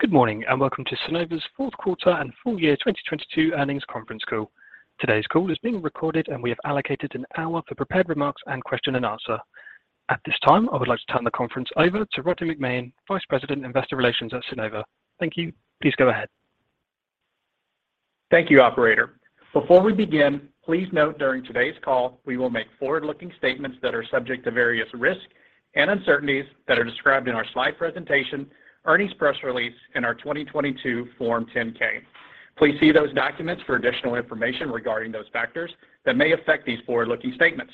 Good morning. Welcome to Sunnova's fourth quarter and full year 2022 earnings conference call. Today's call is being recorded. We have allocated one hour for prepared remarks and question and answer. At this time, I would like to turn the conference over to Rodney McMahan, Vice President, Investor Relations at Sunnova. Thank you. Please go ahead. Thank you, operator. Before we begin, please note during today's call, we will make forward-looking statements that are subject to various risks and uncertainties that are described in our slide presentation, earnings press release, and our 2022 Form 10-K. Please see those documents for additional information regarding those factors that may affect these forward-looking statements.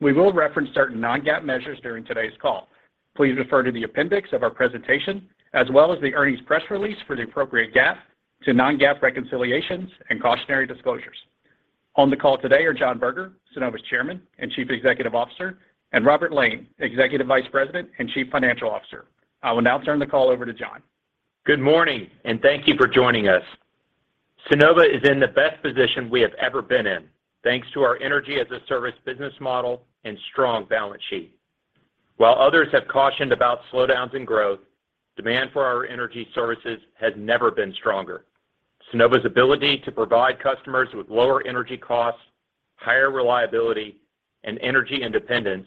We will reference certain non-GAAP measures during today's call. Please refer to the appendix of our presentation, as well as the earnings press release for the appropriate GAAP to non-GAAP reconciliations and cautionary disclosures. On the call today are John Berger, Sunnova's Chairman and Chief Executive Officer, and Robert Lane, Executive Vice President and Chief Financial Officer. I will now turn the call over to John. Good morning. Thank you for joining us. Sunnova is in the best position we have ever been in, thanks to our Energy as a Service business model and strong balance sheet. While others have cautioned about slowdowns in growth, demand for our energy services has never been stronger. Sunnova's ability to provide customers with lower energy costs, higher reliability, and energy independence,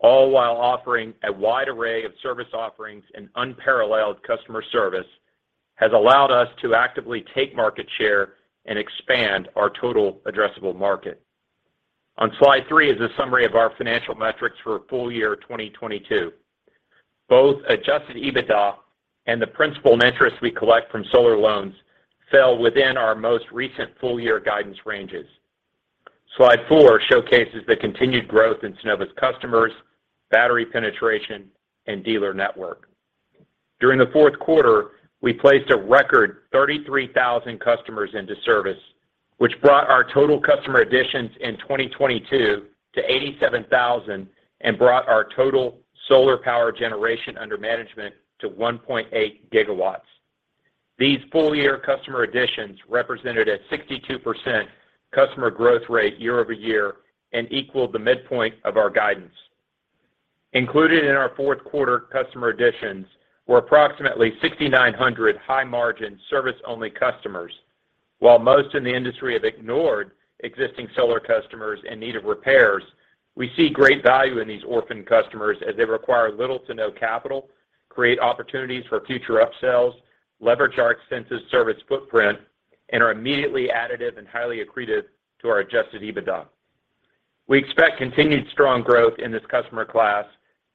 all while offering a wide array of service offerings and unparalleled customer service, has allowed us to actively take market share and expand our total addressable market. On slide 3 is a summary of our financial metrics for full year 2022. Both Adjusted EBITDA and the principal and interest we collect from solar loans fell within our most recent full year guidance ranges. Slide 4 showcases the continued growth in Sunnova's customers, battery penetration, and dealer network. During the fourth quarter, we placed a record 33,000 customers into service, which brought our total customer additions in 2022 to 87,000 and brought our total solar power generation under management to 1.8 gigawatts. These full-year customer additions represented a 62% customer growth rate year-over-year and equaled the midpoint of our guidance. Included in our fourth quarter customer additions were approximately 6,900 high-margin service-only customers. While most in the industry have ignored existing solar customers in need of repairs, we see great value in these orphan customers as they require little to no capital, create opportunities for future upsells, leverage our extensive service footprint, and are immediately additive and highly accretive to our Adjusted EBITDA. We expect continued strong growth in this customer class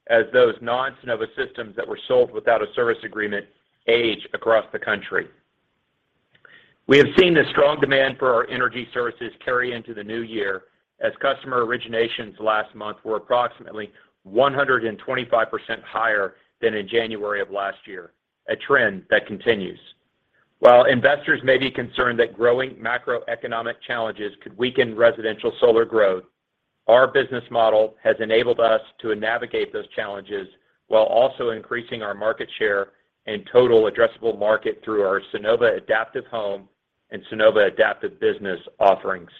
as those non-Sunnova systems that were sold without a service agreement age across the country. We have seen the strong demand for our energy services carry into the new year as customer originations last month were approximately 125% higher than in January of last year, a trend that continues. While investors may be concerned that growing macroeconomic challenges could weaken residential solar growth, our business model has enabled us to navigate those challenges while also increasing our market share and total addressable market through our Sunnova Adaptive Home and Sunnova Adaptive Business offerings.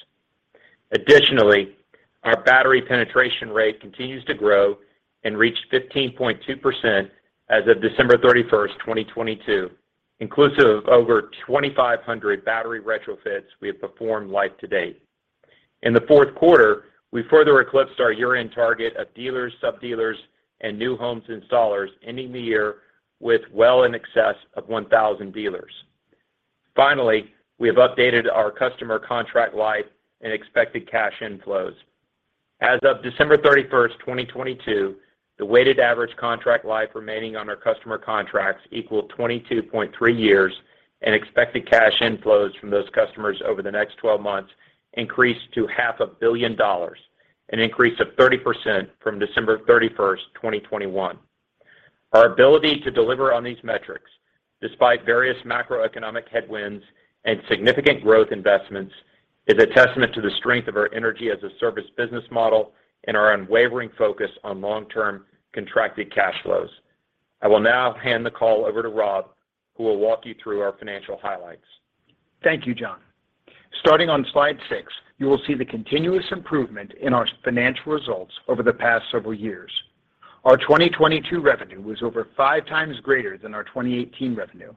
Additionally, our battery penetration rate continues to grow and reached 15.2% as of December 31st, 2022, inclusive of over 2,500 battery retrofits we have performed life to date. In the fourth quarter, we further eclipsed our year-end target of dealers, sub-dealers, and new homes installers ending the year with well in excess of 1,000 dealers. Finally, we have updated our customer contract life and expected cash inflows. As of December 31, 2022, the weighted average contract life remaining on our customer contracts equaled 22.3 years, and expected cash inflows from those customers over the next 12 months increased to half a billion dollars, an increase of 30% from December 31, 2021. Our ability to deliver on these metrics, despite various macroeconomic headwinds and significant growth investments, is a testament to the strength of our Energy as a Service business model and our unwavering focus on long-term contracted cash flows. I will now hand the call over to Rob, who will walk you through our financial highlights. Thank you, John. Starting on slide 6, you will see the continuous improvement in our financial results over the past several years. Our 2022 revenue was over 5x greater than our 2018 revenue.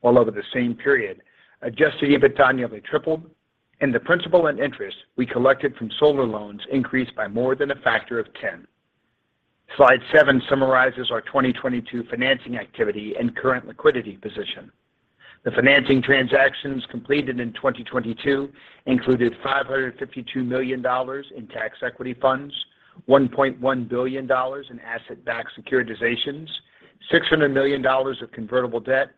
While over the same period, Adjusted EBITDA nearly tripled, and the principal and interest we collected from solar loans increased by more than a factor of 10. Slide 7 summarizes our 2022 financing activity and current liquidity position. The financing transactions completed in 2022 included $552 million in tax equity funds, $1.1 billion in asset-backed securitizations, $600 million of convertible debt,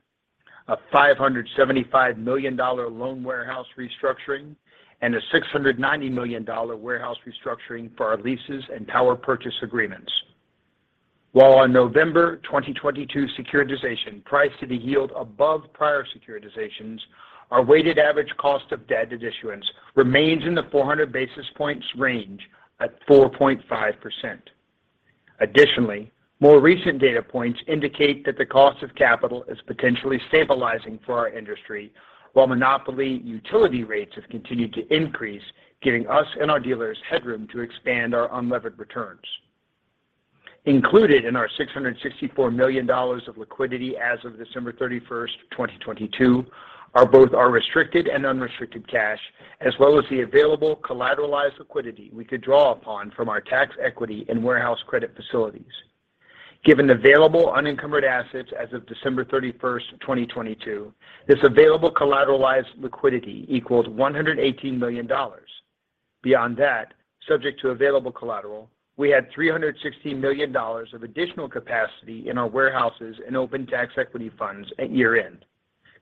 a $575 million loan warehouse restructuring, and a $690 million warehouse restructuring for our leases and power purchase agreements. While our November 2022 securitization priced to the yield above prior securitizations, our weighted average cost of debt at issuance remains in the 400 basis points range at 4.5%. Additionally, more recent data points indicate that the cost of capital is potentially stabilizing for our industry, while monopoly utility rates have continued to increase, giving us and our dealers headroom to expand our unlevered returns. Included in our $664 million of liquidity as of December 31st, 2022 are both our restricted and unrestricted cash, as well as the available collateralized liquidity we could draw upon from our tax equity and warehouse credit facilities. Given available unencumbered assets as of December 31st, 2022, this available collateralized liquidity equals $118 million. Beyond that, subject to available collateral, we had $360 million of additional capacity in our warehouses and open tax equity funds at year-end.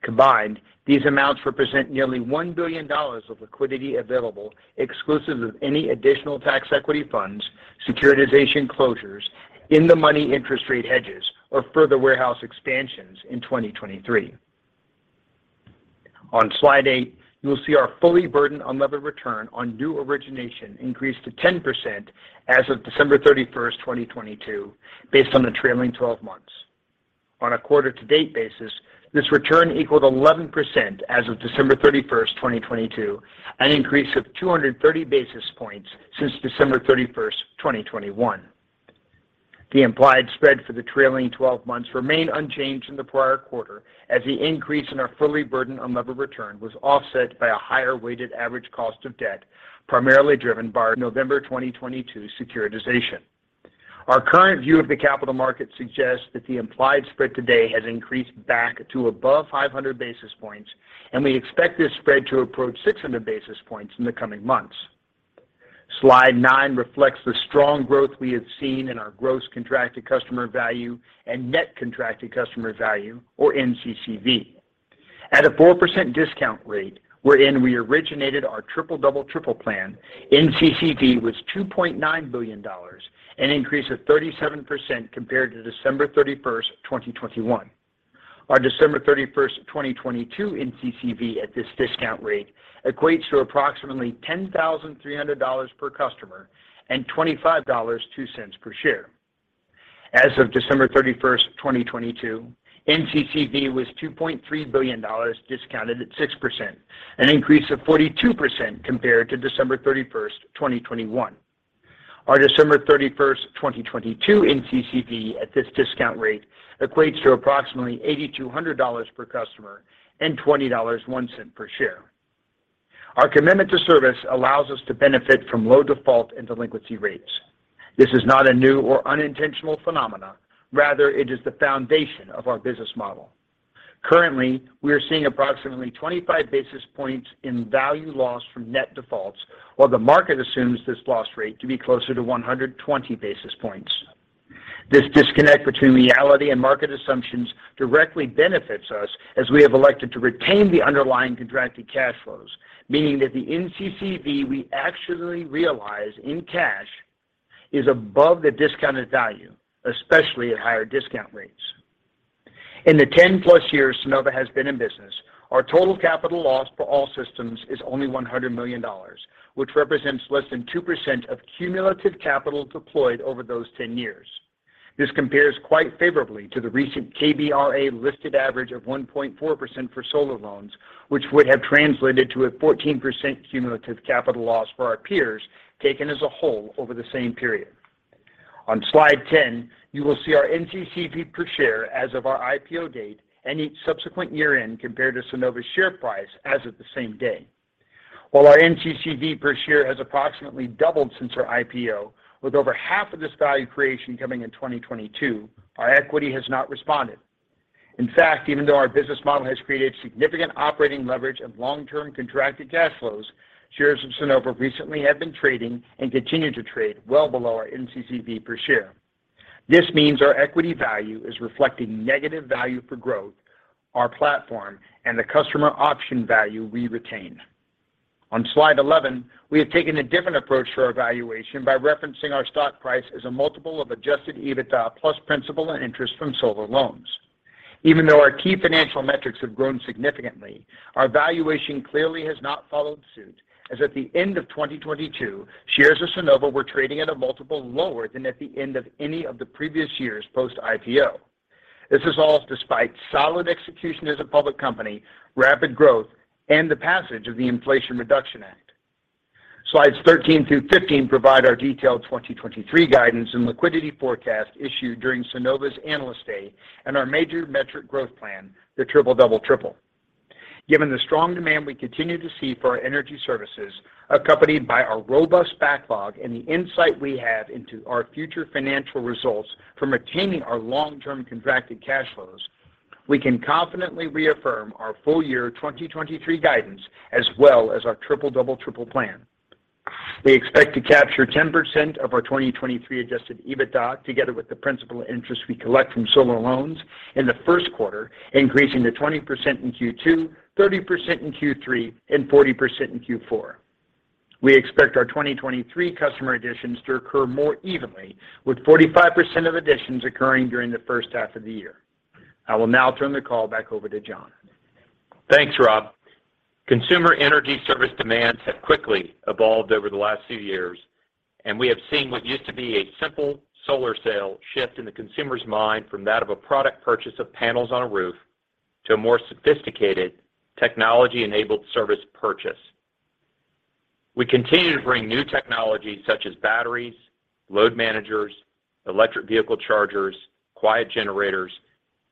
Combined, these amounts represent nearly $1 billion of liquidity available exclusive of any additional tax equity funds, securitization closures, in-the-money interest rate hedges, or further warehouse expansions in 2023. On Slide 8, you will see our fully burdened unlevered return on new origination increased to 10% as of December 31, 2022, based on the trailing 12 months. On a quarter to date basis, this return equaled 11% as of December 31, 2022, an increase of 230 basis points since December 31, 2021. The implied spread for the trailing 12 months remained unchanged in the prior quarter as the increase in our fully burdened unlevered return was offset by a higher weighted average cost of debt, primarily driven by our November 2022 securitization. Our current view of the capital market suggests that the implied spread today has increased back to above 500 basis points, and we expect this spread to approach 600 basis points in the coming months. Slide 9 reflects the strong growth we have seen in our gross contracted customer value and Net Contracted Customer Value, or NCCV. At a 4% discount rate wherein we originated our Triple-Double-Triple Plan, NCCV was $2.9 billion, an increase of 37% compared to December 31st, 2021. Our December 31, 2022 NCCV at this discount rate equates to approximately $10,300 per customer and $25.02 per share. As of December 31, 2022, NCCV was $2.3 billion discounted at 6%, an increase of 42% compared to December 31, 2021. Our December 31, 2022 NCCV at this discount rate equates to approximately $8,200 per customer and $20.01 per share. Our commitment to service allows us to benefit from low default and delinquency rates. This is not a new or unintentional phenomenon, rather it is the foundation of our business model. Currently, we are seeing approximately 25 basis points in value loss from net defaults, while the market assumes this loss rate to be closer to 120 basis points. This disconnect between reality and market assumptions directly benefits us as we have elected to retain the underlying contracted cash flows, meaning that the NCCV we actually realize in cash is above the discounted value, especially at higher discount rates. In the 10+ years Sunnova has been in business, our total capital loss for all systems is only $100 million, which represents less than 2% of cumulative capital deployed over those 10 years. This compares quite favorably to the recent KBRA listed average of 1.4% for solar loans, which would have translated to a 14% cumulative capital loss for our peers taken as a whole over the same period. On slide 10, you will see our NCCV per share as of our IPO date and each subsequent year-end compared to Sunnova's share price as of the same day. While our NCCV per share has approximately doubled since our IPO, with over half of this value creation coming in 2022, our equity has not responded. Even though our business model has created significant operating leverage and long-term contracted cash flows, shares of Sunnova recently have been trading and continue to trade well below our NCCV per share. This means our equity value is reflecting negative value for growth, our platform, and the customer option value we retain. On slide 11, we have taken a different approach to our valuation by referencing our stock price as a multiple of Adjusted EBITDA plus principal and interest from solar loans. Even though our key financial metrics have grown significantly, our valuation clearly has not followed suit, as at the end of 2022, shares of Sunnova were trading at a multiple lower than at the end of any of the previous years post-IPO. This is all despite solid execution as a public company, rapid growth, and the passage of the Inflation Reduction Act. Slides 13 through 15 provide our detailed 2023 guidance and liquidity forecast issued during Sunnova's Analyst Day and our major metric growth plan, the Triple-Double-Triple. Given the strong demand we continue to see for our energy services, accompanied by our robust backlog and the insight we have into our future financial results from retaining our long-term contracted cash flows, we can confidently reaffirm our full year 2023 guidance as well as our Triple-Double-Triple plan. We expect to capture 10% of our 2023 Adjusted EBITDA together with the principal interest we collect from solar loans in the first quarter, increasing to 20% in Q2, 30% in Q3, and 40% in Q4. We expect our 2023 customer additions to occur more evenly, with 45% of additions occurring during the first half of the year. I will now turn the call back over to John. Thanks, Rob. Consumer energy service demands have quickly evolved over the last few years, and we have seen what used to be a simple solar sale shift in the consumer's mind from that of a product purchase of panels on a roof to a more sophisticated technology-enabled service purchase. We continue to bring new technologies such as batteries, load managers, electric vehicle chargers, quiet generators,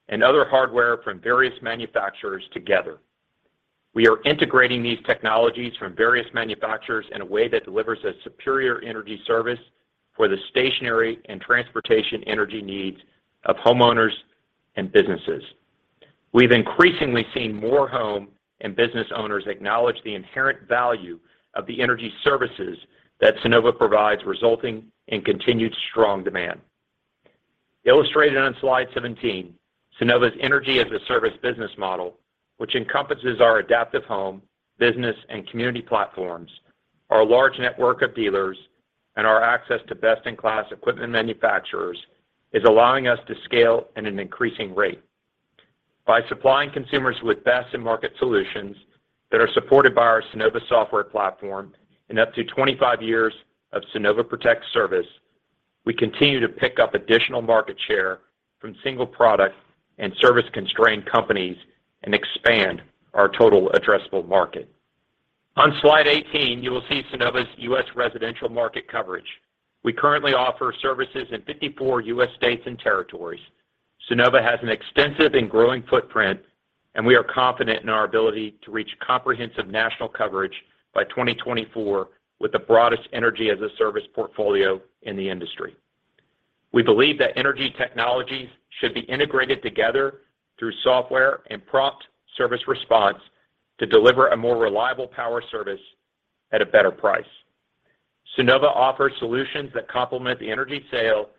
and other hardware from various manufacturers together. We are integrating these technologies from various manufacturers in a way that delivers a superior energy service for the stationary and transportation energy needs of homeowners and businesses. We've increasingly seen more home and business owners acknowledge the inherent value of the energy services that Sunnova provides, resulting in continued strong demand. Illustrated on slide 17, Sunnova's Energy-as-a-Service business model, which encompasses our Adaptive Home, Business, and community platforms, our large network of dealers, and our access to best-in-class equipment manufacturers, is allowing us to scale at an increasing rate. By supplying consumers with best-in-market solutions that are supported by our Sunnova software platform and up to 25 years of Sunnova Protect service, we continue to pick up additional market share from single product and service-constrained companies and expand our total addressable market. On slide 18, you will see Sunnova's U.S. residential market coverage. We currently offer services in 54 U.S. states and territories. Sunnova has an extensive and growing footprint, and we are confident in our ability to reach comprehensive national coverage by 2024 with the broadest Energy-as-a-Service portfolio in the industry. We believe that energy technologies should be integrated together through software and prompt service response to deliver a more reliable power service at a better price. Sunnova offers solutions that complement the energy sale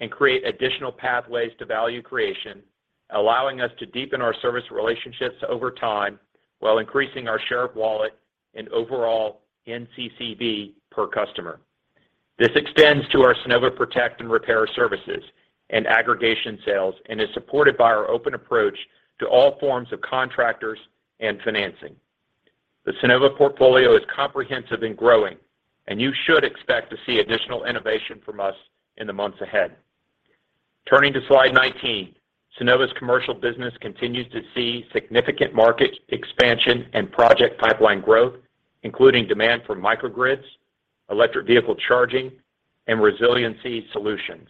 and create additional pathways to value creation, allowing us to deepen our service relationships over time while increasing our share of wallet and overall NCCV per customer. This extends to our Sunnova Protect and repair services and aggregation sales and is supported by our open approach to all forms of contractors and financing. The Sunnova portfolio is comprehensive and growing, and you should expect to see additional innovation from us in the months ahead. Turning to slide 19, Sunnova's commercial business continues to see significant market expansion and project pipeline growth, including demand for microgrids, electric vehicle charging, and resiliency solutions.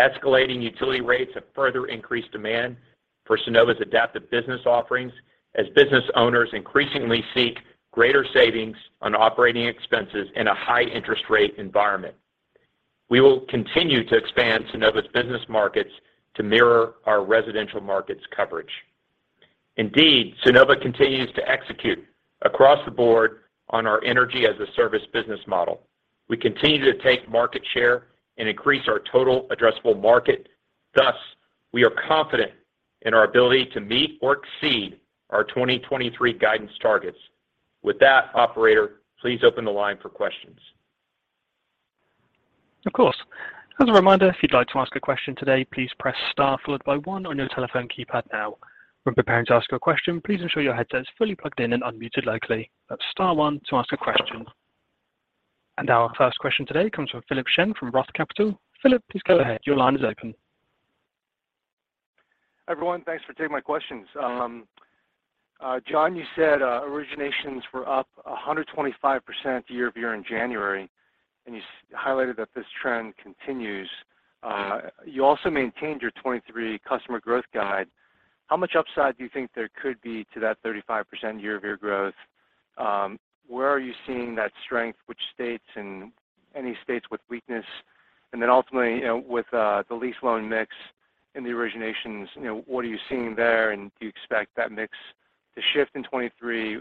Escalating utility rates have further increased demand for Sunnova Adaptive Business offerings as business owners increasingly seek greater savings on operating expenses in a high interest rate environment. We will continue to expand Sunnova's business markets to mirror our residential markets coverage. Indeed, Sunnova continues to execute across the board on our Energy as a Service business model. We continue to take market share and increase our total addressable market. Thus, we are confident in our ability to meet or exceed our 2023 guidance targets. With that, operator, please open the line for questions. Of course. As a reminder, if you'd like to ask a question today, please press star followed by one on your telephone keypad now. When preparing to ask your question, please ensure your headset is fully plugged in and unmuted locally. That's star one to ask a question. Our first question today comes from Philip Shen from Roth Capital. Philip, please go ahead. Your line is open. Everyone, thanks for taking my questions. John, you said originations were up 125% year-over-year in January, and you highlighted that this trend continues. You also maintained your 2023 customer growth guide. How much upside do you think there could be to that 35% year-over-year growth? Where are you seeing that strength, which states, and any states with weakness? Ultimately, you know, with the lease loan mix in the originations, you know, what are you seeing there, and do you expect that mix to shift in 2023?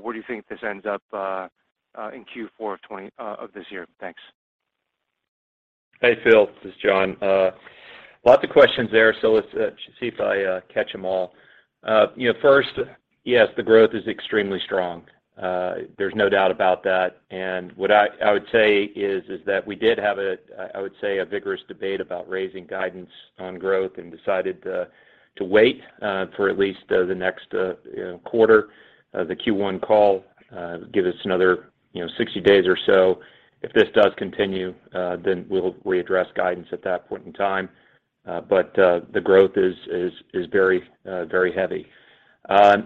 Where do you think this ends up in Q4 of this year? Thanks. Hey, Phil. This is John. Lots of questions there, let's see if I catch them all. You know, first, yes, the growth is extremely strong. There's no doubt about that. What I would say is that we did have a, I would say, a vigorous debate about raising guidance on growth and decided to wait for at least the next, you know, quarter. The Q1 call, give us another, you know, 60 days or so. If this does continue, we'll readdress guidance at that point in time. The growth is very, very heavy.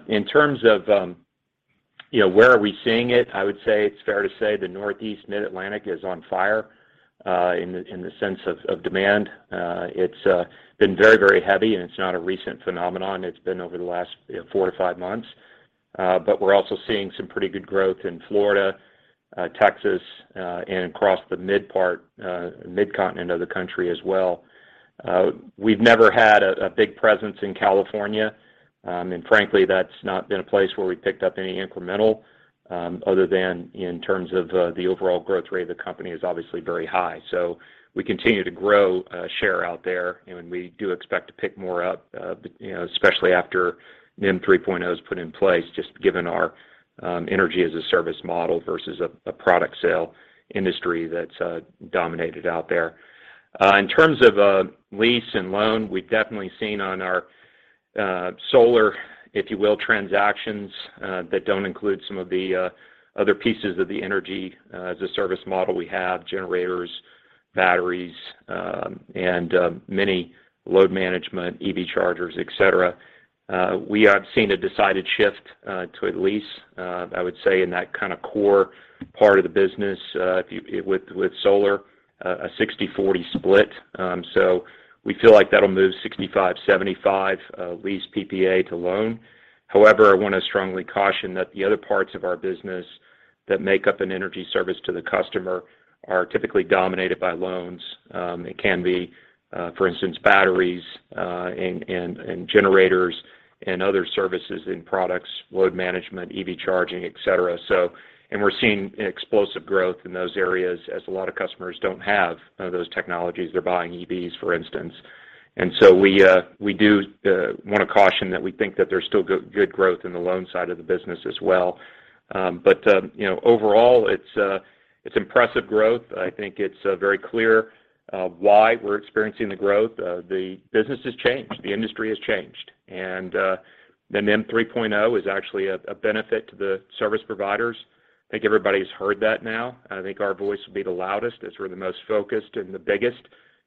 In terms of, you know, where are we seeing it? I would say it's fair to say the Northeast Mid-Atlantic is on fire in the sense of demand. It's been very, very heavy, and it's not a recent phenomenon. It's been over the last, you know, four to five months. We're also seeing some pretty good growth in Florida, Texas, and across the mid part, midcontinent of the country as well. We've never had a big presence in California, and frankly, that's not been a place where we picked up any incremental, other than in terms of the overall growth rate of the company is obviously very high. We continue to grow share out there, and we do expect to pick more up, you know, especially after NEM 3.0 is put in place, just given our Energy as a Service model versus a product sale industry that's dominated out there. In terms of lease and loan, we've definitely seen on our solar, if you will, transactions that don't include some of the other pieces of the Energy as a Service model we have, generators, batteries, and many load management, EV chargers, et cetera. We have seen a decided shift to at lease, I would say in that kind of core part of the business, with solar, a 60-40 split. So we feel like that'll move 65, 75 lease PPA to loan. I wanna strongly caution that the other parts of our business that make up an energy service to the customer are typically dominated by loans. It can be, for instance, batteries, and generators and other services and products, load management, EV charging, et cetera. We're seeing an explosive growth in those areas as a lot of customers don't have those technologies. They're buying EVs, for instance. We do wanna caution that we think that there's still good growth in the loan side of the business as well. But, you know, overall it's impressive growth. I think it's very clear why we're experiencing the growth. The business has changed. The industry has changed. The NEM 3.0 is actually a benefit to the service providers. I think everybody's heard that now. I think our voice will be the loudest as we're the most focused and the biggest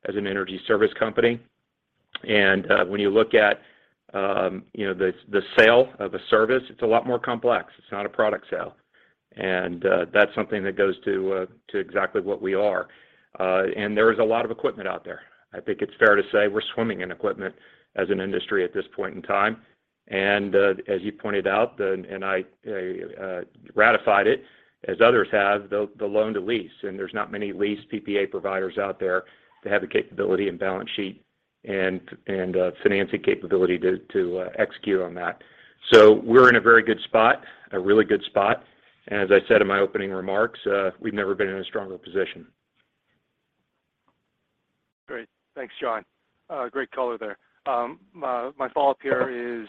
as an energy service company. When you look at, you know, the sale of a service, it's a lot more complex. It's not a product sale. That's something that goes to exactly what we are. There is a lot of equipment out there. I think it's fair to say we're swimming in equipment as an industry at this point in time. As you pointed out, the and I ratified it, as others have, the loan to lease, and there's not many lease PPA providers out there that have the capability and balance sheet and financing capability to execute on that. We're in a very good spot, a really good spot, and as I said in my opening remarks, we've never been in a stronger position. Great. Thanks, John. Great color there. My follow-up here is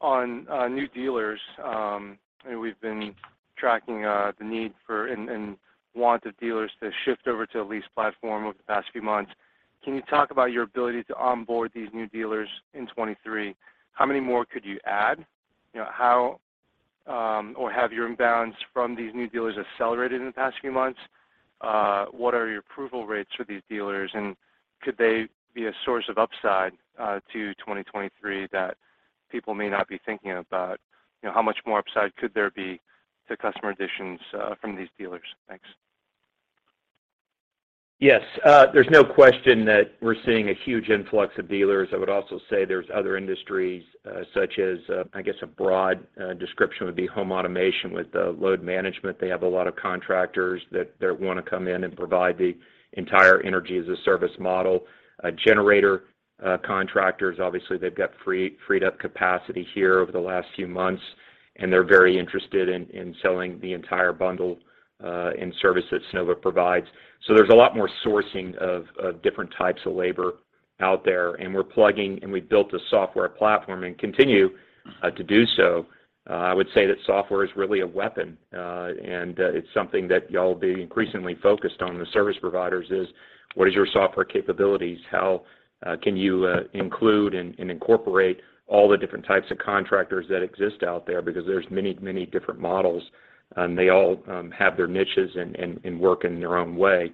on new dealers. I know we've been tracking the need for and want of dealers to shift over to a lease platform over the past few months. Can you talk about your ability to onboard these new dealers in 2023? How many more could you add? You know, how have your inbounds from these new dealers accelerated in the past few months? What are your approval rates for these dealers, and could they be a source of upside to 2023 that people may not be thinking about? You know, how much more upside could there be to customer additions from these dealers? Thanks. Yes. There's no question that we're seeing a huge influx of dealers. I would also say there's other industries, such as, I guess, a broad description would be home automation with the load management. They have a lot of contractors that wanna come in and provide the entire Energy as a Service model. Generator, contractors, obviously they've got freed up capacity here over the last few months, and they're very interested in selling the entire bundle and service that Sunnova provides. There's a lot more sourcing of different types of labor out there, and we're plugging, and we built a software platform and continue to do so. I would say that software is really a weapon and it's something that y'all be increasingly focused on, the service providers, is what is your software capabilities? How can you include and incorporate all the different types of contractors that exist out there? Because there's many different models, and they all have their niches and work in their own way.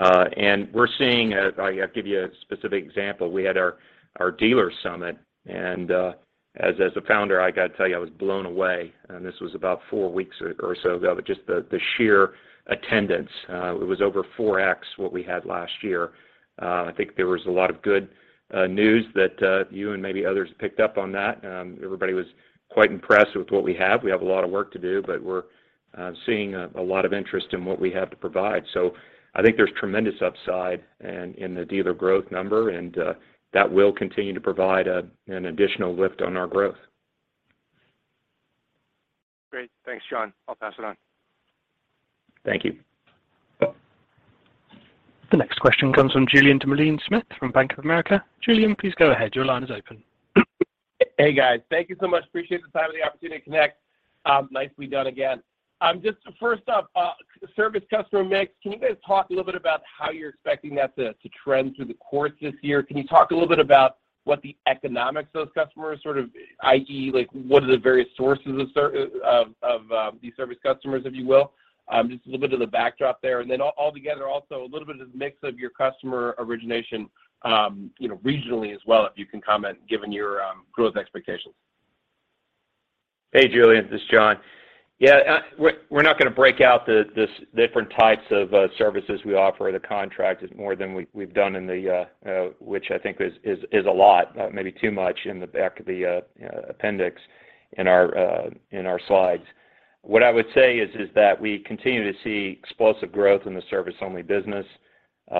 We're seeing I'll give you a specific example. We had our dealer summit and as a founder, I gotta tell you, I was blown away. This was about 4 weeks or so ago, but just the sheer attendance. It was over 4x what we had last year. I think there was a lot of good news that you and maybe others picked up on that. Everybody was quite impressed with what we have. We have a lot of work to do, but we're seeing a lot of interest in what we have to provide. I think there's tremendous upside and in the dealer growth number, and that will continue to provide an additional lift on our growth. Great. Thanks, John. I'll pass it on. Thank you. The next question comes from Julien Dumoulin-Smith from Bank of America. Julien, please go ahead. Your line is open. Hey, guys. Thank you so much. Appreciate the time and the opportunity to connect. Nicely done again. Just first up, service customer mix. Can you guys talk a little bit about how you're expecting that to trend through the course this year? Can you talk a little bit about what the economics of those customers, sort of i.e. like what are the various sources of these service customers, if you will? Just a little bit of the backdrop there. Then altogether also, a little bit of the mix of your customer origination, you know, regionally as well, if you can comment, given your growth expectations. Hey, Julien, this is John. Yeah, we're not gonna break out the different types of services we offer. The contract is more than we've done in the, which I think is a lot, maybe too much in the back of the appendix in our slides. What I would say is that we continue to see explosive growth in the service-only business.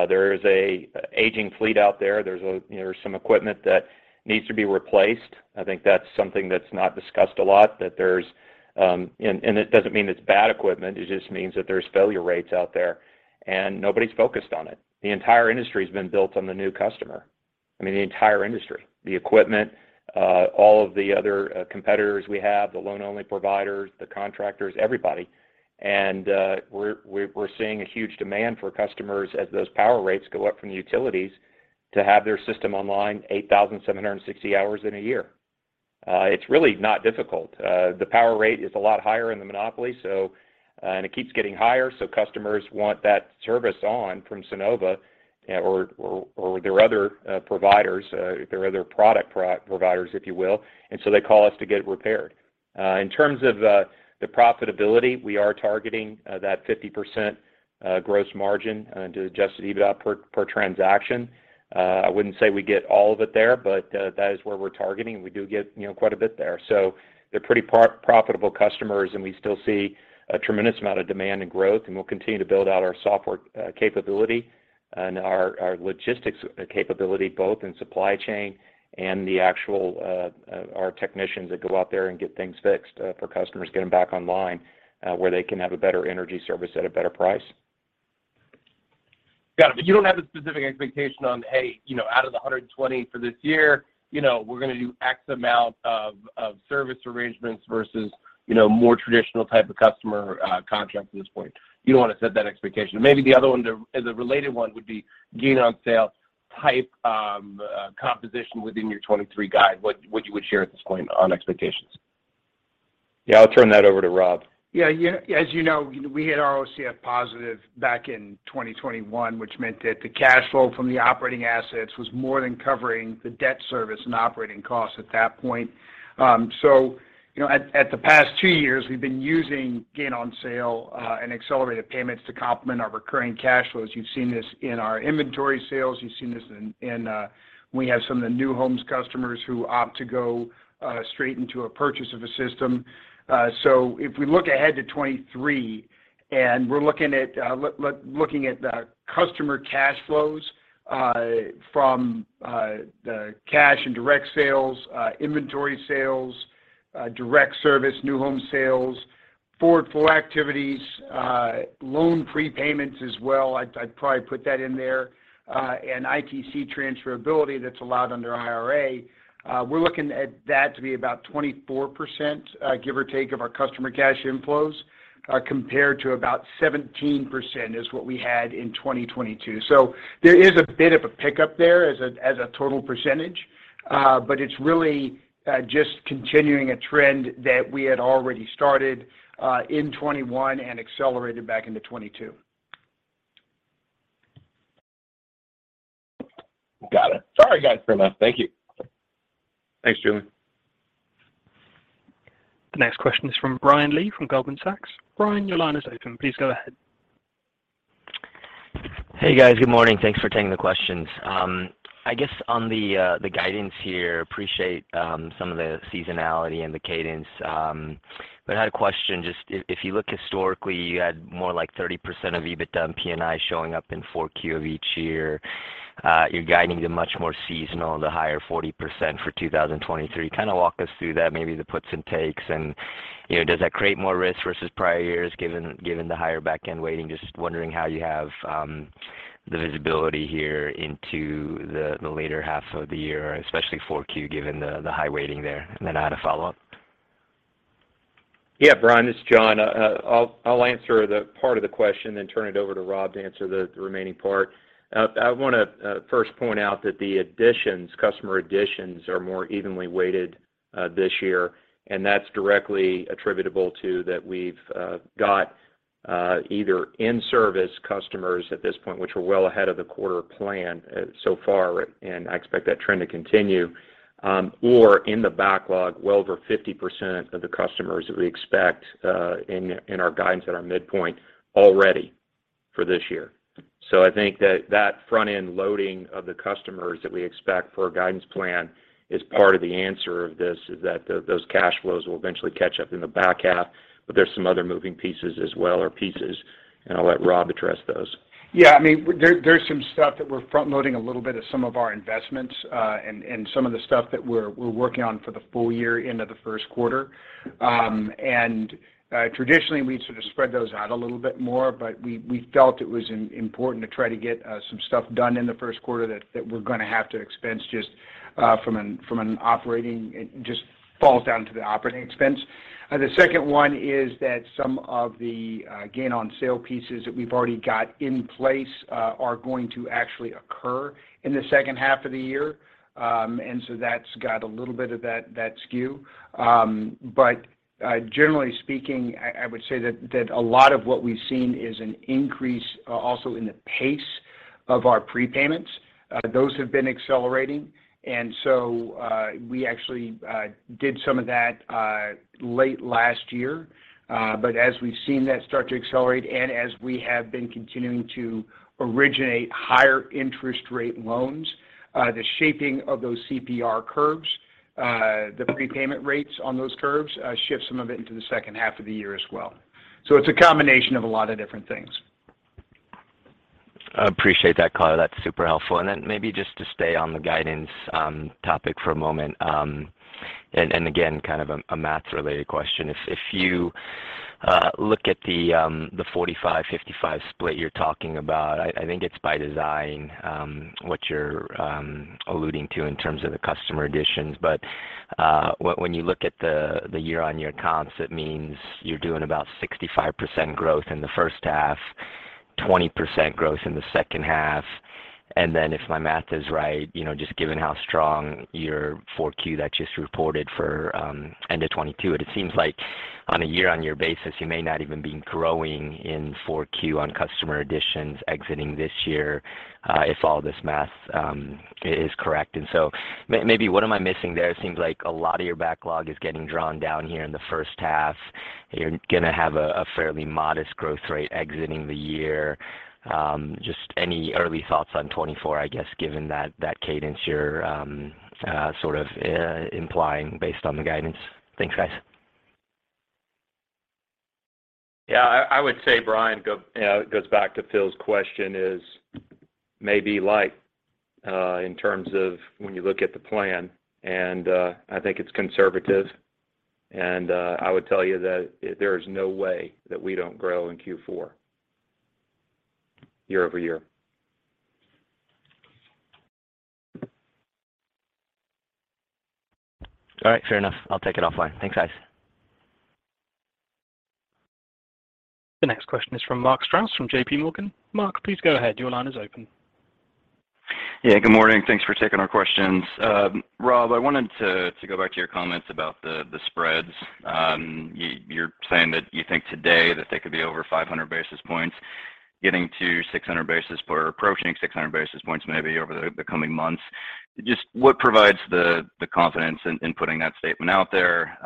There is a aging fleet out there. There's a, you know, there's some equipment that needs to be replaced. I think that's something that's not discussed a lot, that there's. It doesn't mean it's bad equipment. It just means that there's failure rates out there, and nobody's focused on it. The entire industry's been built on the new customer. I mean, the entire industry, the equipment, all of the other competitors we have, the loan-only providers, the contractors, everybody. We're seeing a huge demand for customers as those power rates go up from the utilities to have their system online 8,760 hours in a year. It's really not difficult. The power rate is a lot higher in the monopoly, and it keeps getting higher, so customers want that service on from Sunnova or their other providers, their other product providers, if you will, and so they call us to get it repaired. In terms of the profitability, we are targeting that 50% gross margin and Adjusted EBITDA per transaction. I wouldn't say we get all of it there, but that is where we're targeting, we do get, you know, quite a bit there. They're pretty pro-profitable customers, we still see a tremendous amount of demand and growth, we'll continue to build out our software capability and our logistics capability, both in supply chain and the actual our technicians that go out there and get things fixed for customers, get them back online where they can have a better energy service at a better price. Got it. You don't have a specific expectation on, hey, you know, out of the 120 for this year, you know, we're gonna do X amount of service arrangements versus, you know, more traditional type of customer contracts at this point? You don't wanna set that expectation? Maybe the other one and the related one would be gain on sale type composition within your 2023 guide, what you would share at this point on expectations? Yeah, I'll turn that over to Rob. Yeah, as you know, we hit our OCF positive back in 2021, which meant that the cash flow from the operating assets was more than covering the debt service and operating costs at that point. You know, at the past 2 years, we've been using gain on sale and accelerated payments to complement our recurring cash flows. You've seen this in our inventory sales, you've seen this in when we have some of the new homes customers who opt to go straight into a purchase of a system. If we look ahead to 2023, and we're looking at looking at the customer cash flows from the cash and direct sales, inventory sales, direct service, new home sales, forward flow activities, loan prepayments as well, I'd probably put that in there, and ITC transferability that's allowed under IRA, we're looking at that to be about 24% give or take, of our customer cash inflows compared to about 17% is what we had in 2022. There is a bit of a pickup there as a total percentage, but it's really just continuing a trend that we had already started in 2021 and accelerated back into 2022. Got it. Sorry, guys. Thank you. Thanks, Julien. The next question is from Brian Lee from Goldman Sachs. Brian, your line is open. Please go ahead. Hey, guys. Good morning. Thanks for taking the questions. I guess on the guidance here, appreciate some of the seasonality and the cadence. I had a question, just if you look historically, you had more like 30% of EBITDA and P&I showing up in 4Q of each year. You're guiding the much more seasonal, the higher 40% for 2023. Kind of walk us through that, maybe the puts and takes. You know, does that create more risk versus prior years given the higher backend weighting? Just wondering how you have the visibility here into the later half of the year, especially 4Q, given the high weighting there. I had a follow-up. Yeah, Brian, this is John. I'll answer the part of the question, then turn it over to Rob to answer the remaining part. I wanna first point out that the additions, customer additions are more evenly weighted this year, and that's directly attributable to that we've got either in-service customers at this point, which are well ahead of the quarter plan so far, and I expect that trend to continue, or in the backlog, well over 50% of the customers that we expect in our guidance at our midpoint already for this year. I think that that front-end loading of the customers that we expect for a guidance plan is part of the answer of this, is that those cash flows will eventually catch up in the back half. There's some other moving pieces as well, or pieces, and I'll let Rob address those. I mean, there's some stuff that we're front-loading a little bit of some of our investments and some of the stuff that we're working on for the full year into the first quarter. Traditionally, we'd sort of spread those out a little bit more, but we felt it was important to try to get some stuff done in the first quarter that we're gonna have to expense. It just falls down to the operating expense. The second one is that some of the gain on sale pieces that we've already got in place are going to actually occur in the second half of the year. That's got a little bit of that skew. Generally speaking, I would say that a lot of what we've seen is an increase also in the pace of our prepayments. Those have been accelerating. We actually did some of that late last year. As we've seen that start to accelerate and as we have been continuing to originate higher interest rate loans, the shaping of those CPR curves, the prepayment rates on those curves, shift some of it into the 2nd half of the year as well. It's a combination of a lot of different things. I appreciate that color. That's super helpful. Maybe just to stay on the guidance topic for a moment, and again, kind of a math-related question. If you look at the 45-55 split you're talking about, I think it's by design, what you're alluding to in terms of the customer additions. When you look at the year-on-year comps, it means you're doing about 65% growth in the first half, 20% growth in the second half. If my math is right, you know, just given how strong your 4Q that just reported for end of 2022, it seems like on a year-on-year basis, you may not even be growing in 4Q on customer additions exiting this year, if all this math is correct. Maybe what am I missing there? It seems like a lot of your backlog is getting drawn down here in the first half. You're gonna have a fairly modest growth rate exiting the year. Just any early thoughts on 2024, I guess, given that cadence you're sort of implying based on the guidance. Thanks, guys. Yeah. I would say, Brian, you know, it goes back to Philip's question is maybe light in terms of when you look at the plan, I think it's conservative. I would tell you that there is no way that we don't grow in Q4 year-over-year. All right. Fair enough. I'll take it offline. Thanks, guys. The next question is from Mark Strouse from JPMorgan. Mark, please go ahead. Your line is open. Yeah. Good morning. Thanks for taking our questions. Rob, I wanted to go back to your comments about the spreads. You're saying that you think today that they could be over 500 basis points getting to 600 basis or approaching 600 basis points maybe over the coming months. Just what provides the confidence in putting that statement out there,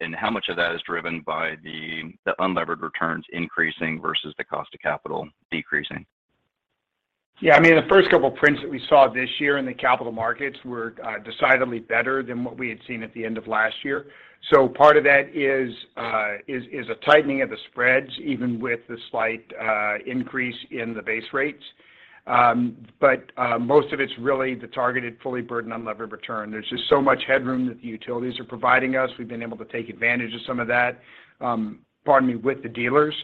and how much of that is driven by the unlevered returns increasing versus the cost of capital decreasing? Yeah. I mean, the first couple of prints that we saw this year in the capital markets were decidedly better than what we had seen at the end of last year. Part of that is a tightening of the spreads even with the slight increase in the base rates. Most of it's really the targeted fully burdened unlevered return. There's just so much headroom that the utilities are providing us. We've been able to take advantage of some of that, pardon me, with the dealers.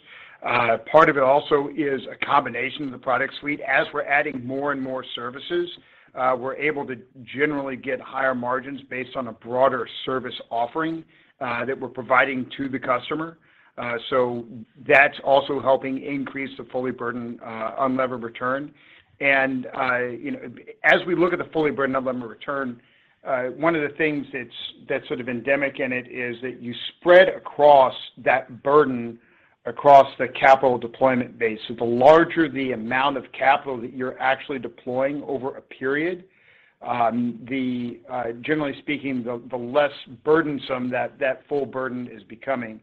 Part of it also is a combination of the product suite. As we're adding more and more services, we're able to generally get higher margins based on a broader service offering, that we're providing to the customer. That's also helping increase the fully burdened unlevered return. You know, as we look at the fully burdened unlevered return, one of the things that's sort of endemic in it is that you spread across that burden across the capital deployment base. The larger the amount of capital that you're actually deploying over a period, generally speaking, the less burdensome that full burden is becoming.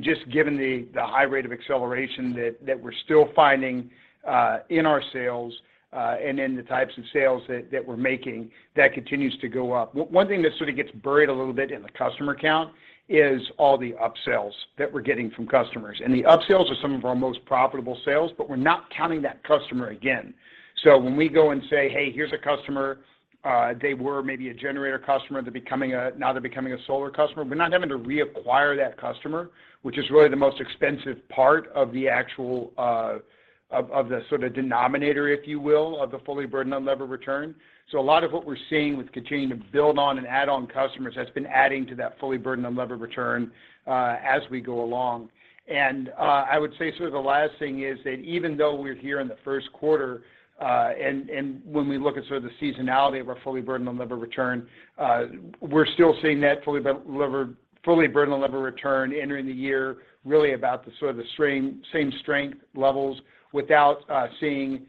Just given the high rate of acceleration that we're still finding in our sales, and in the types of sales that we're making, that continues to go up. One thing that sort of gets buried a little bit in the customer count is all the upsells that we're getting from customers. The upsells are some of our most profitable sales, but we're not counting that customer again. When we go and say, "Hey, here's a customer," they were maybe a generator customer, now they're becoming a solar customer. We're not having to reacquire that customer, which is really the most expensive part of the actual of the sort of denominator, if you will, of the fully burdened unlevered return. A lot of what we're seeing with continuing to build on and add on customers has been adding to that fully burdened unlevered return as we go along. I would say sort of the last thing is that even though we're here in the first quarter, when we look at sort of the seasonality of our fully burdened unlevered return, we're still seeing that fully burdened unlevered return entering the year really about the sort of the same strength levels without seeing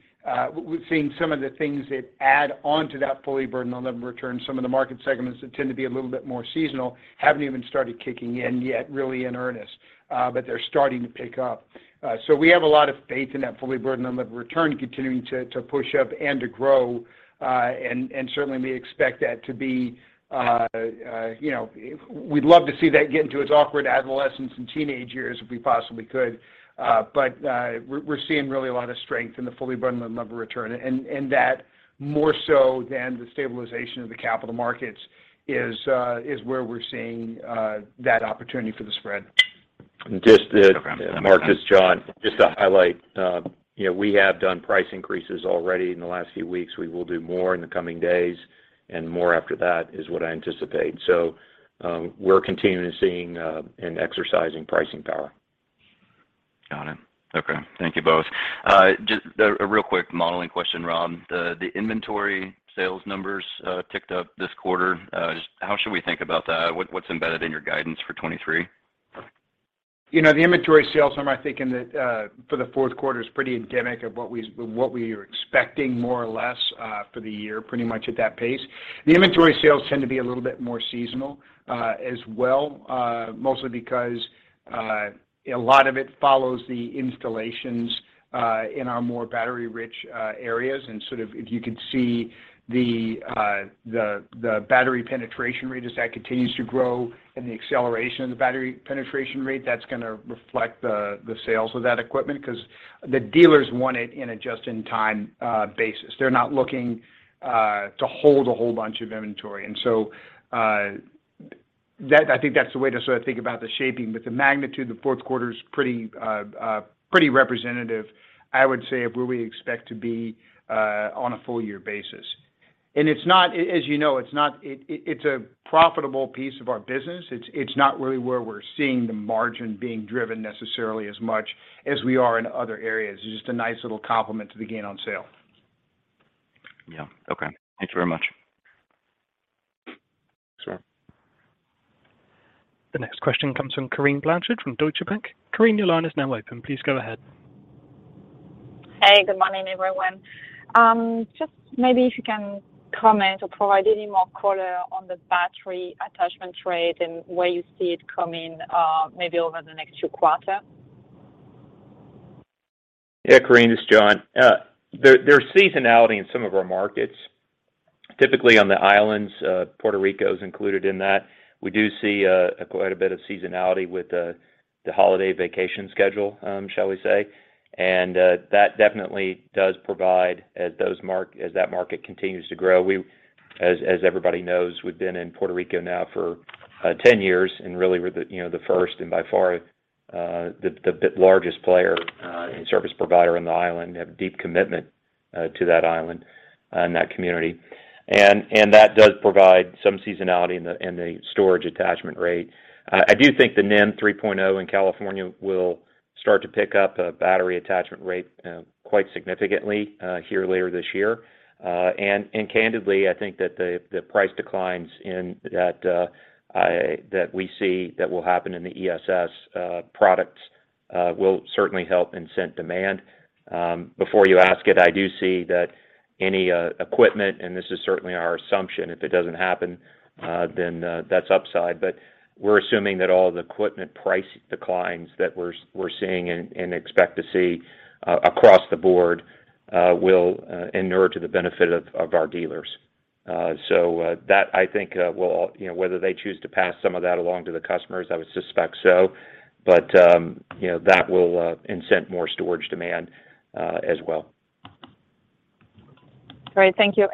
some of the things that add on to that fully burdened unlevered return. Some of the market segments that tend to be a little bit more seasonal haven't even started kicking in yet really in earnest, but they're starting to pick up. We have a lot of faith in that fully burdened unlevered return continuing to push up and to grow. Certainly we expect that to be, you know, we'd love to see that get into its awkward adolescence and teenage years if we possibly could. We're seeing really a lot of strength in the fully burdened unlevered return. That more so than the stabilization of the capital markets is where we're seeing that opportunity for the spread. Just to- Okay. Mark, it's John. Just to highlight, you know, we have done price increases already in the last few weeks. We will do more in the coming days and more after that is what I anticipate. We're continuing seeing, and exercising pricing power. Got it. Okay. Thank you both. Just a real quick modeling question, Rob. The inventory sales numbers ticked up this quarter. Just how should we think about that? What's embedded in your guidance for 2023? You know, the inventory sales number, I think in the for the fourth quarter is pretty endemic of what we are expecting more or less for the year, pretty much at that pace. The inventory sales tend to be a little bit more seasonal as well, mostly because a lot of it follows the installations in our more battery-rich areas. Sort of if you could see the battery penetration rate as that continues to grow and the acceleration of the battery penetration rate, that's gonna reflect the sales of that equipment because the dealers want it in a just-in-time basis. They're not looking to hold a whole bunch of inventory. So, that I think that's the way to sort of think about the shaping. The magnitude, the fourth quarter is pretty representative, I would say, of where we expect to be on a full year basis. It's not as you know, it's not, it's a profitable piece of our business. It's not really where we're seeing the margin being driven necessarily as much as we are in other areas. It's just a nice little complement to the gain on sale. Yeah. Okay. Thank you very much. Sure. The next question comes from Corinne Blanchard from Deutsche Bank. Corinne, your line is now open. Please go ahead. Hey, good morning, everyone. Just maybe if you can comment or provide any more color on the battery attachment rate and where you see it coming, maybe over the next 2 quarters? Yeah, Corinne, this is John. There's seasonality in some of our markets. Typically on the islands, Puerto Rico is included in that. We do see quite a bit of seasonality with the holiday vacation schedule, shall we say. That definitely does provide as that market continues to grow. As everybody knows, we've been in Puerto Rico now for 10 years and really we're the, you know, the first and by far, the bit largest player, and service provider on the island, have deep commitment, to that island and that community. That does provide some seasonality in the storage attachment rate. I do think the NEM 3.0 in California will start to pick up a battery attachment rate, quite significantly, here later this year. Candidly, I think that the price declines in that that we see that will happen in the ESS products, will certainly help incent demand. Before you ask it, I do see that any equipment, and this is certainly our assumption. If it doesn't happen, then that's upside. We're assuming that all the equipment price declines that we're seeing and expect to see across the board, will inure to the benefit of our dealers. That, I think, will all... You know, whether they choose to pass some of that along to the customers, I would suspect so. You know, that will incent more storage demand, as well. Great. Thank you.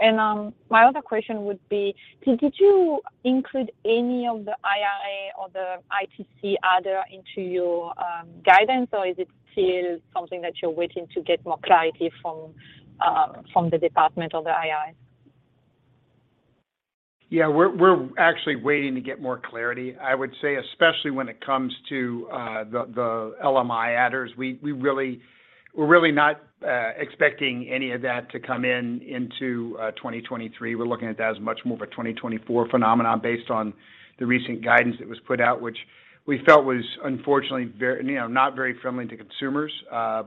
My other question would be, did you include any of the IRA or the ITC adder into your guidance? Or is it still something that you're waiting to get more clarity from the Department or the IRA? Yeah. We're actually waiting to get more clarity. I would say, especially when it comes to the LMI adders, we're really not expecting any of that to come into 2023. We're looking at that as much more of a 2024 phenomenon based on the recent guidance that was put out, which we felt was unfortunately very, you know, not very friendly to consumers. I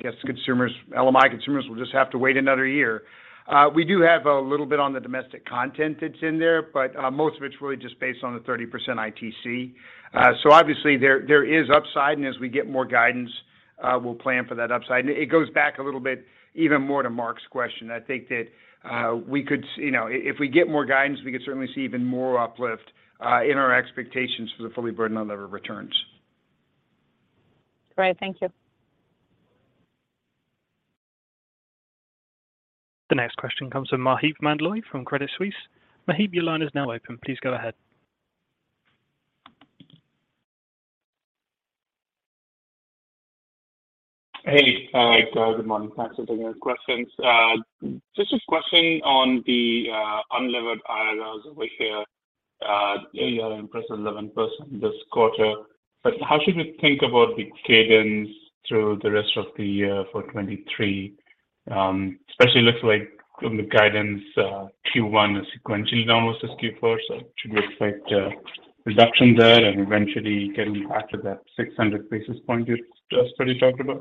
guess consumers, LMI consumers will just have to wait another year. We do have a little bit on the domestic content that's in there, most of it's really just based on the 30% ITC. Obviously there is upside, as we get more guidance, we'll plan for that upside. It goes back a little bit even more to Mark's question. I think that, we could you know, if we get more guidance, we could certainly see even more uplift, in our expectations for the fully burdened unlevered returns. Great. Thank you. The next question comes from Maheep Mandloi from Credit Suisse. Maheep, your line is now open. Please go ahead. Good morning. Thanks for taking our questions. Just a question on the unlevered IRRs over here. You are impressed 11% this quarter, how should we think about the cadence through the rest of the year for 2023? Especially looks like from the guidance, Q1 is sequentially down versus Q4, should we expect reduction there and eventually getting back to that 600 basis points you just already talked about?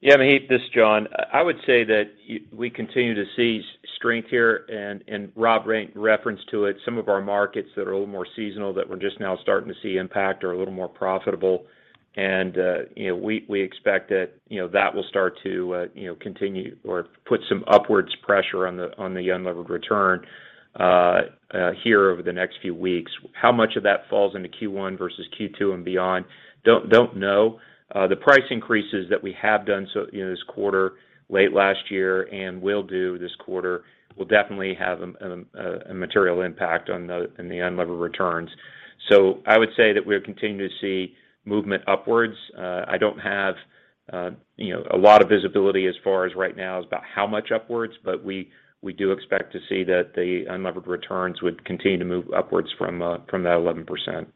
Yeah, Maheep, this is John. I would say that we continue to see strength here and Rob made reference to it. Some of our markets that are a little more seasonal that we're just now starting to see impact are a little more profitable. You know, we expect that, you know, that will start to, you know, continue or put some upwards pressure on the unlevered return here over the next few weeks. How much of that falls into Q1 versus Q2 and beyond, don't know. The price increases that we have done so, you know, this quarter, late last year and will do this quarter, will definitely have a material impact on the unlevered returns. I would say that we'll continue to see movement upwards. I don't have, you know, a lot of visibility as far as right now is about how much upwards, but we do expect to see that the unlevered returns would continue to move upwards from that 11%.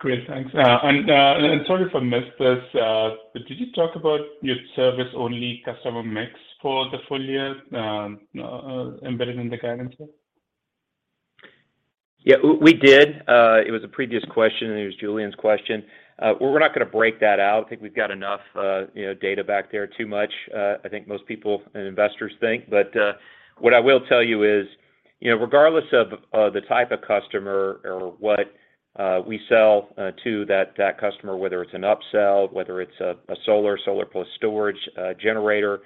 Great. Thanks. Sorry if I missed this, but did you talk about your service-only customer mix for the full year, embedded in the guidance here? Yeah, we did. It was a previous question, and it was Julien's question. We're not gonna break that out. I think we've got enough, you know, data back there, too much, I think most people and investors think. What I will tell you is, you know, regardless of the type of customer or what we sell to that customer, whether it's an upsell, whether it's a solar plus storage, a generator,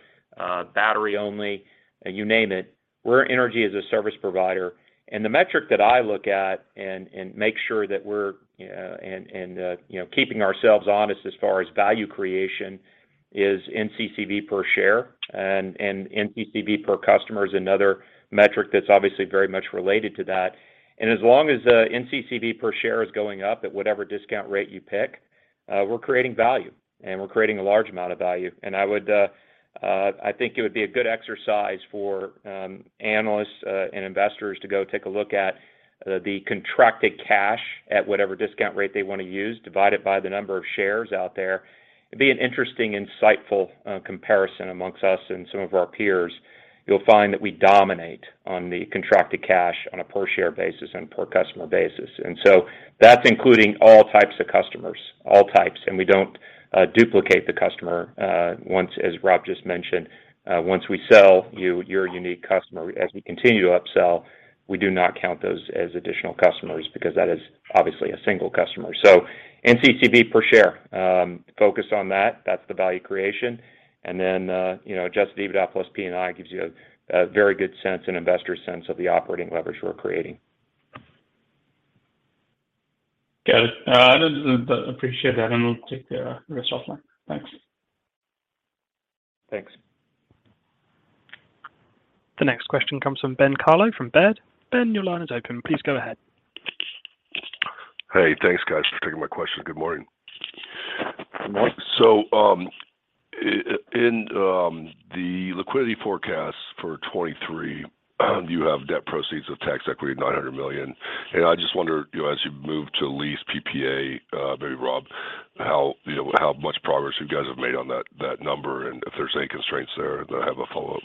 battery only, you name it, we're Energy as a Service provider. The metric that I look at and make sure that we're, and, you know, keeping ourselves honest as far as value creation is NCCV per share. NCCV per customer is another metric that's obviously very much related to that. As long as NCCV per share is going up at whatever discount rate you pick, we're creating value, and we're creating a large amount of value. I would, I think it would be a good exercise for analysts and investors to go take a look at the contracted cash at whatever discount rate they wanna use, divide it by the number of shares out there. It'd be an interesting, insightful comparison amongst us and some of our peers. You'll find that we dominate on the contracted cash on a per-share basis and per-customer basis. That's including all types of customers, all types. We don't duplicate the customer once. As Rob just mentioned, once we sell you're a unique customer. As we continue to upsell, we do not count those as additional customers because that is obviously a single customer. NCCV per share, focus on that. That's the value creation. You know, Adjusted EBITDA plus P&I gives you a very good sense, an investor sense of the operating leverage we're creating. Got it. I appreciate that. We'll take the rest offline. Thanks. Thanks. The next question comes from Ben Kallo from Baird. Ben, your line is open. Please go ahead. Hey, thanks, guys, for taking my questions. Good morning. Good morning. In the liquidity forecast for 2023, you have debt proceeds of tax equity $900 million. I just wonder, you know, as you move to lease PPA, maybe Rob, how, you know, how much progress you guys have made on that number and if there's any constraints there. I have a follow-up.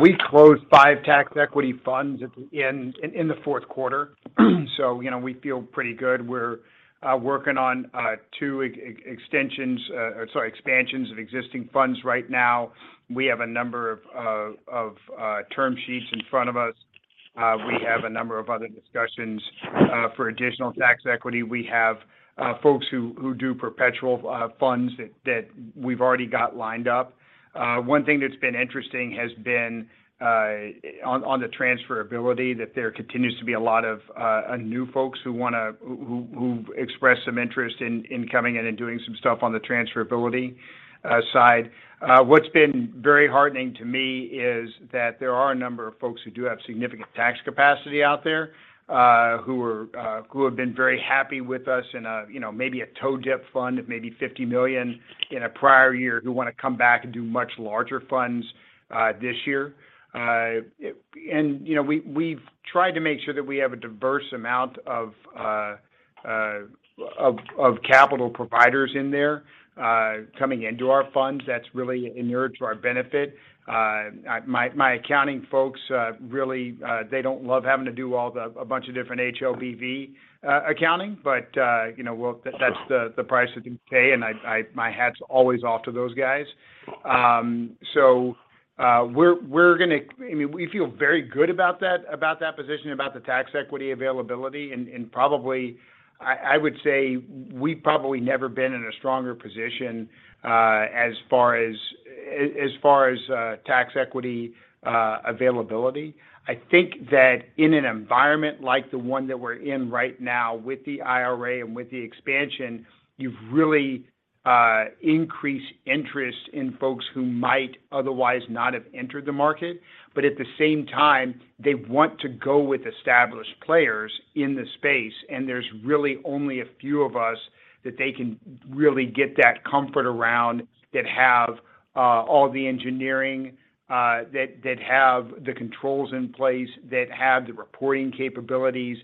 We closed five tax equity funds in the fourth quarter. You know, we feel pretty good. We're working on two expansions of existing funds right now. We have a number of term sheets in front of us. We have a number of other discussions for additional tax equity. We have folks who do perpetual funds that we've already got lined up. One thing that's been interesting has been on the transferability, that there continues to be a lot of new folks who express some interest in coming in and doing some stuff on the transferability side. What's been very heartening to me is that there are a number of folks who do have significant tax capacity out there, who are, who have been very happy with us in a, you know, maybe a toe dip fund of maybe $50 million in a prior year, who wanna come back and do much larger funds, this year. You know, we've tried to make sure that we have a diverse amount of, of capital providers in there, coming into our funds. That's really inured to our benefit. My accounting folks, really, they don't love having to do a bunch of different HLBV accounting, but, you know, we'll. Sure... that's the price you have to pay, and I my hat's always off to those guys. I mean, we feel very good about that position, about the tax equity availability. Probably, I would say we've probably never been in a stronger position, as far as tax equity availability. I think that in an environment like the one that we're in right now with the IRA and with the expansion, you've really increased interest in folks who might otherwise not have entered the market. At the same time, they want to go with established players in the space, and there's really only a few of us that they can really get that comfort around that have all the engineering, that have the controls in place, that have the reporting capabilities,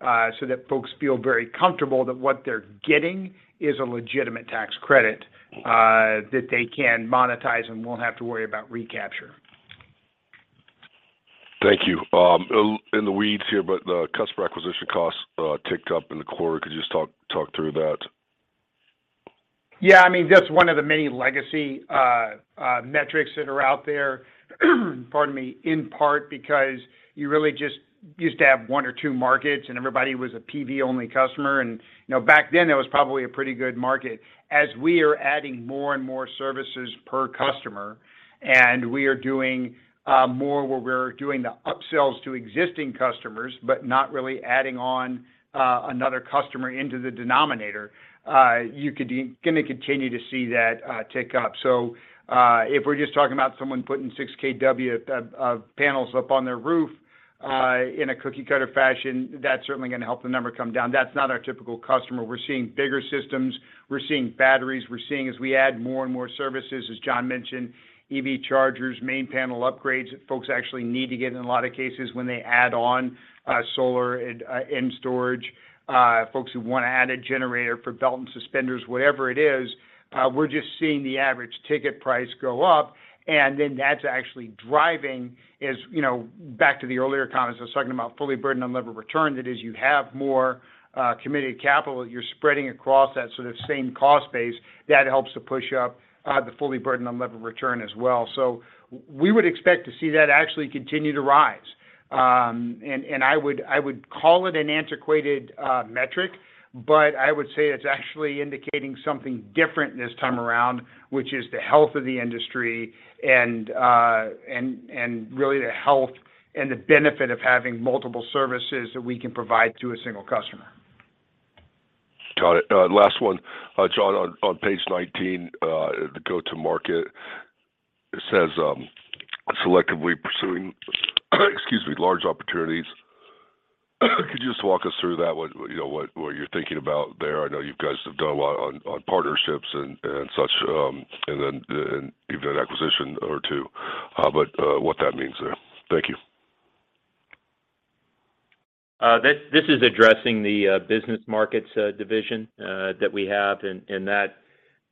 so that folks feel very comfortable that what they're getting is a legitimate tax credit, that they can monetize and won't have to worry about recapture. Thank you. In the weeds here, but the customer acquisition costs ticked up in the quarter. Could you just talk through that? Yeah. I mean, that's one of the many legacy metrics that are out there, pardon me, in part because you really just used to have one or two markets, and everybody was a PV-only customer. You know, back then, that was probably a pretty good market. As we are adding more and more services per customer, and we are doing more where we're doing the upsells to existing customers, but not really adding on another customer into the denominator, gonna continue to see that tick up. If we're just talking about someone putting 6 KW of panels up on their roof, in a cookie-cutter fashion, that's certainly gonna help the number come down. That's not our typical customer. We're seeing bigger systems. We're seeing batteries. We're seeing as we add more and more services, as John mentioned, EV chargers, main panel upgrades that folks actually need to get in a lot of cases when they add on solar and storage. Folks who wanna add a generator for belt and suspenders, whatever it is, we're just seeing the average ticket price go up. That's actually driving is, you know, back to the earlier comment, I was talking about fully burdened unlevered return. That is you have more committed capital, you're spreading across that sort of same cost base that helps to push up the fully burdened unlevered return as well. We would expect to see that actually continue to rise. I would call it an antiquated metric, but I would say it's actually indicating something different this time around, which is the health of the industry, and really the health and the benefit of having multiple services that we can provide to a single customer. Got it. Last one. John, on page 19, the go-to-market It says, selectively pursuing, excuse me, large opportunities. Could you just walk us through that? What, you know, what you're thinking about there? I know you guys have done a lot on partnerships and such, and then, even an acquisition or two, but, what that means there. Thank you. This, this is addressing the business markets division that we have in that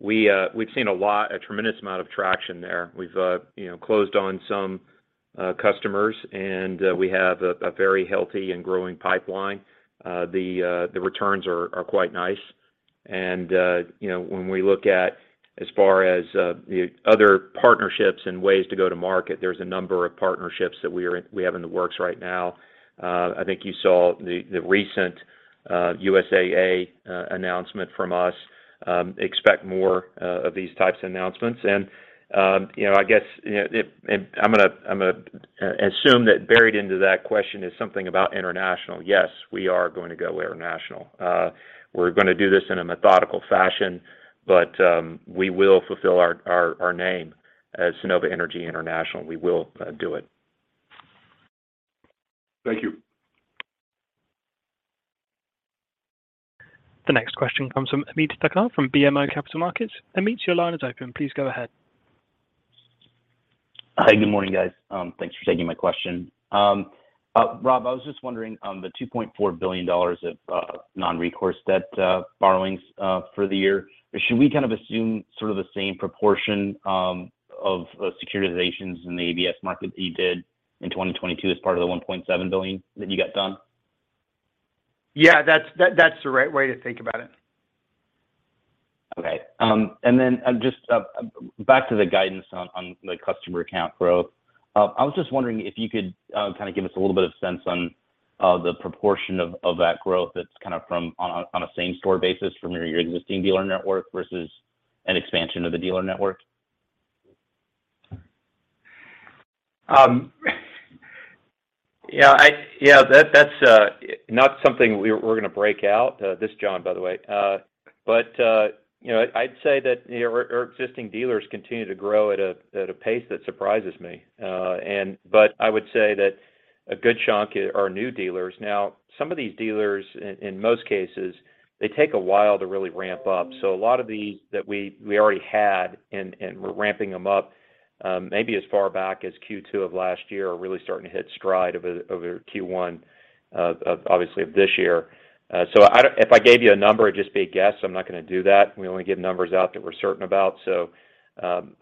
we've seen a tremendous amount of traction there. We've, you know, closed on some customers, and we have a very healthy and growing pipeline. The returns are quite nice. You know, when we look at as far as the other partnerships and ways to go to market, there's a number of partnerships that we have in the works right now. I think you saw the recent USAA announcement from us. Expect more of these types of announcements. You know, I guess I'm gonna assume that buried into that question is something about international. Yes, we are going to go international. We're gonna do this in a methodical fashion, but, we will fulfill our name as Sunnova Energy International. We will do it. Thank you. The next question comes from Ameet Thakkar from BMO Capital Markets. Ameet, your line is open. Please go ahead. Hi, good morning, guys. Thanks for taking my question. Rob, I was just wondering on the $2.4 billion of non-recourse debt borrowings for the year. Should we kind of assume sort of the same proportion of securitizations in the ABS market that you did in 2022 as part of the $1.7 billion that you got done? Yeah, that's the right way to think about it. Okay. Just back to the guidance on the customer account growth. I was just wondering if you could kind of give us a little bit of sense on the proportion of that growth that's kind of from on a same store basis from your existing dealer network versus an expansion of the dealer network? That's not something we're gonna break out. This is John, by the way. You know, I'd say that, you know, our existing dealers continue to grow at a pace that surprises me. I would say that a good chunk are new dealers. Now, some of these dealers in most cases, they take a while to really ramp up. A lot of these that we already had and we're ramping them up, maybe as far back as Q2 of last year are really starting to hit stride of Q1 of obviously of this year. If I gave you a number, it'd just be a guess, so I'm not gonna do that. We only give numbers out that we're certain about. I'm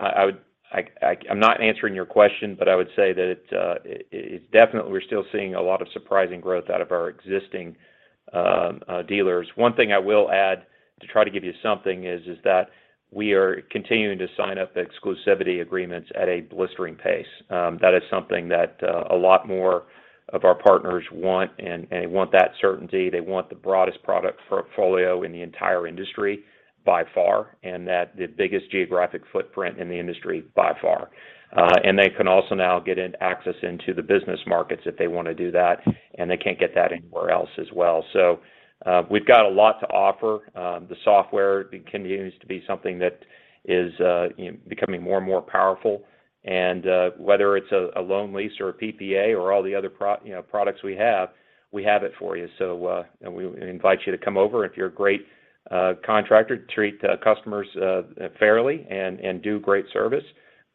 not answering your question, but I would say that it's definitely we're still seeing a lot of surprising growth out of our existing dealers. One thing I will add to try to give you something is that we are continuing to sign up exclusivity agreements at a blistering pace. That is something that a lot more of our partners want, and they want that certainty. They want the broadest product portfolio in the entire industry by far, and that the biggest geographic footprint in the industry by far. They can also now get an access into the business markets if they wanna do that, and they can't get that anywhere else as well. We've got a lot to offer. The software continues to be something that is, you know, becoming more and more powerful. Whether it's a loan lease or a PPA or all the other, you know, products we have, we have it for you. We invite you to come over. If you're a great contractor, treat customers fairly and do great service,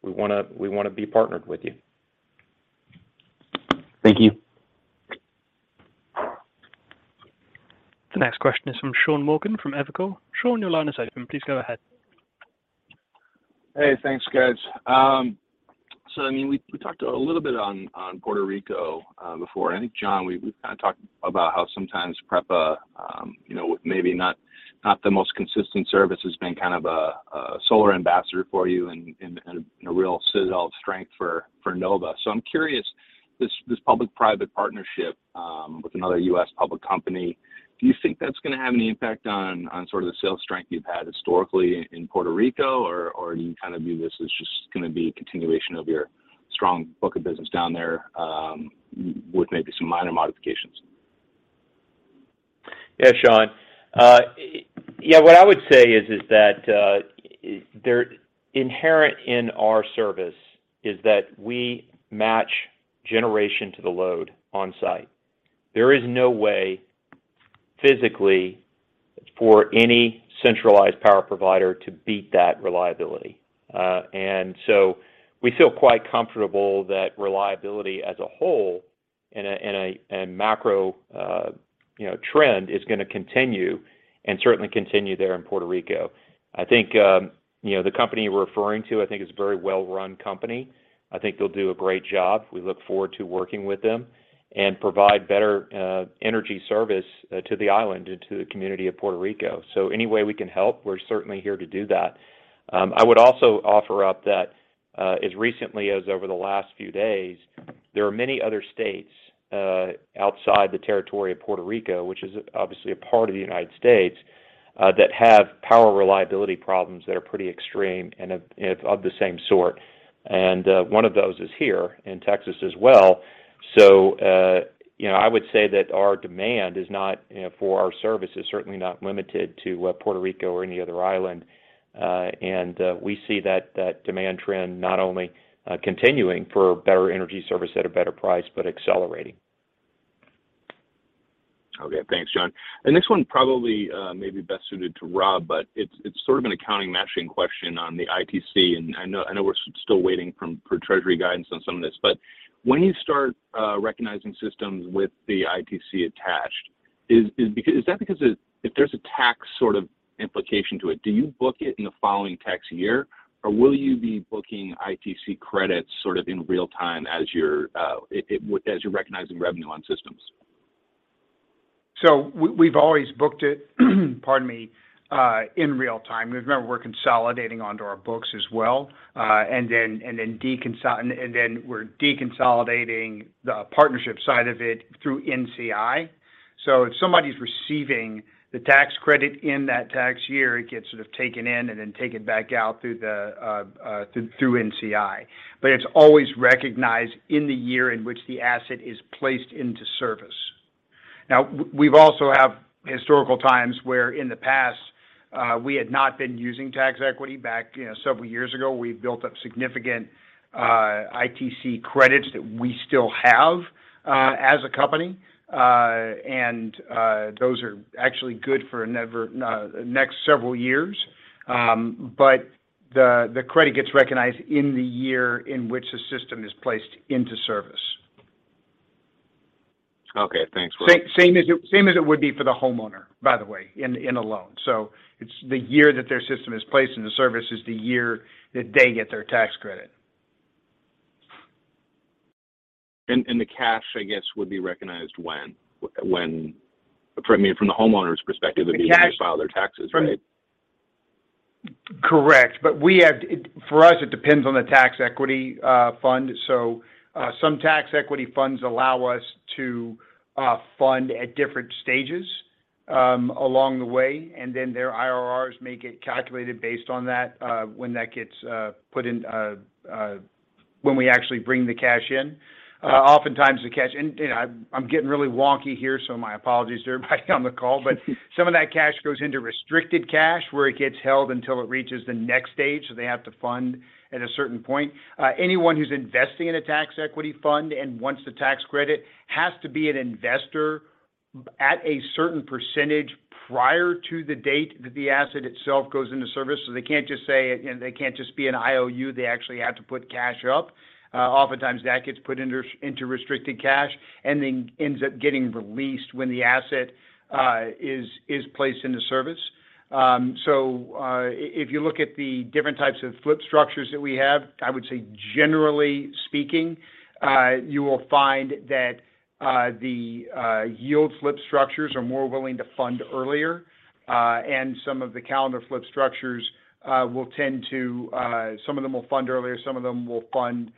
we wanna be partnered with you. Thank you. The next question is from Sean Morgan from Evercore. Sean, your line is open. Please go ahead. Hey, thanks, guys. I mean, we talked a little bit on Puerto Rico before. I think, John, we've kind of talked about how sometimes PREPA, you know, maybe not the most consistent service has been kind of a solar ambassador for you and a real citadel of strength for Nova. I'm curious, this public-private partnership with another U.S. public company, do you think that's gonna have any impact on sort of the sales strength you've had historically in Puerto Rico, or do you kind of view this as just gonna be a continuation of your strong book of business down there with maybe some minor modifications? Yeah, Sean. What I would say is that, Inherent in our service is that we match generation to the load on-site. There is no way physically for any centralized power provider to beat that reliability. We feel quite comfortable that reliability as a whole in macro, you know, trend is gonna continue and certainly continue there in Puerto Rico. I think, you know, the company you're referring to, I think is a very well-run company. I think they'll do a great job. We look forward to working with them and provide better energy service to the island and to the community of Puerto Rico. Any way we can help, we're certainly here to do that. I would also offer up that, as recently as over the last few days, there are many other states, outside the territory of Puerto Rico, which is obviously a part of the United States, that have power reliability problems that are pretty extreme and of the same sort. One of those is here in Texas as well. You know, I would say that our demand is not, you know, for our service is certainly not limited to Puerto Rico or any other island. And, we see that demand trend not only continuing for better energy service at a better price, but accelerating. Okay. Thanks, John. The next one probably may be best suited to Rob, but it's sort of an accounting matching question on the ITC, and I know we're still waiting for Treasury guidance on some of this. When you start recognizing systems with the ITC attached, is that because if there's a tax sort of implication to it, do you book it in the following tax year, or will you be booking ITC credits sort of in real time as you're recognizing revenue on systems? We've always booked it, pardon me, in real time. Remember, we're consolidating onto our books as well, and then we're deconsolidating the partnership side of it through NCI. If somebody's receiving the tax credit in that tax year, it gets sort of taken in and then taken back out through the NCI. It's always recognized in the year in which the asset is placed into service. We've also have historical times where in the past, we had not been using tax equity. Back, you know, several years ago, we built up significant ITC credits that we still have as a company. Those are actually good for the next several years. The credit gets recognized in the year in which the system is placed into service. Okay. Thanks, Rob. Same as it would be for the homeowner, by the way, in a loan. It's the year that their system is placed into service is the year that they get their tax credit. The cash, I guess, would be recognized when? I mean, from the homeowner's perspective, it'd be when they file their taxes, right? Correct. For us, it depends on the tax equity fund. Some tax equity funds allow us to fund at different stages along the way, and then their IRRs may get calculated based on that when that gets put in when we actually bring the cash in. Oftentimes the cash. You know, I'm getting really wonky here, so my apologies to everybody on the call. Some of that cash goes into restricted cash, where it gets held until it reaches the next stage, so they have to fund at a certain point. Anyone who's investing in a tax equity fund and wants the tax credit has to be an investor at a certain percentage prior to the date that the asset itself goes into service. They can't just say... You know, they can't just be an IOU, they actually have to put cash up. Oftentimes that gets put into restricted cash and then ends up getting released when the asset is placed into service. If you look at the different types of flip structures that we have, I would say generally speaking, you will find that the yield flip structures are more willing to fund earlier. Some of the calendar flip structures will tend to, some of them will fund earlier, some of them will fund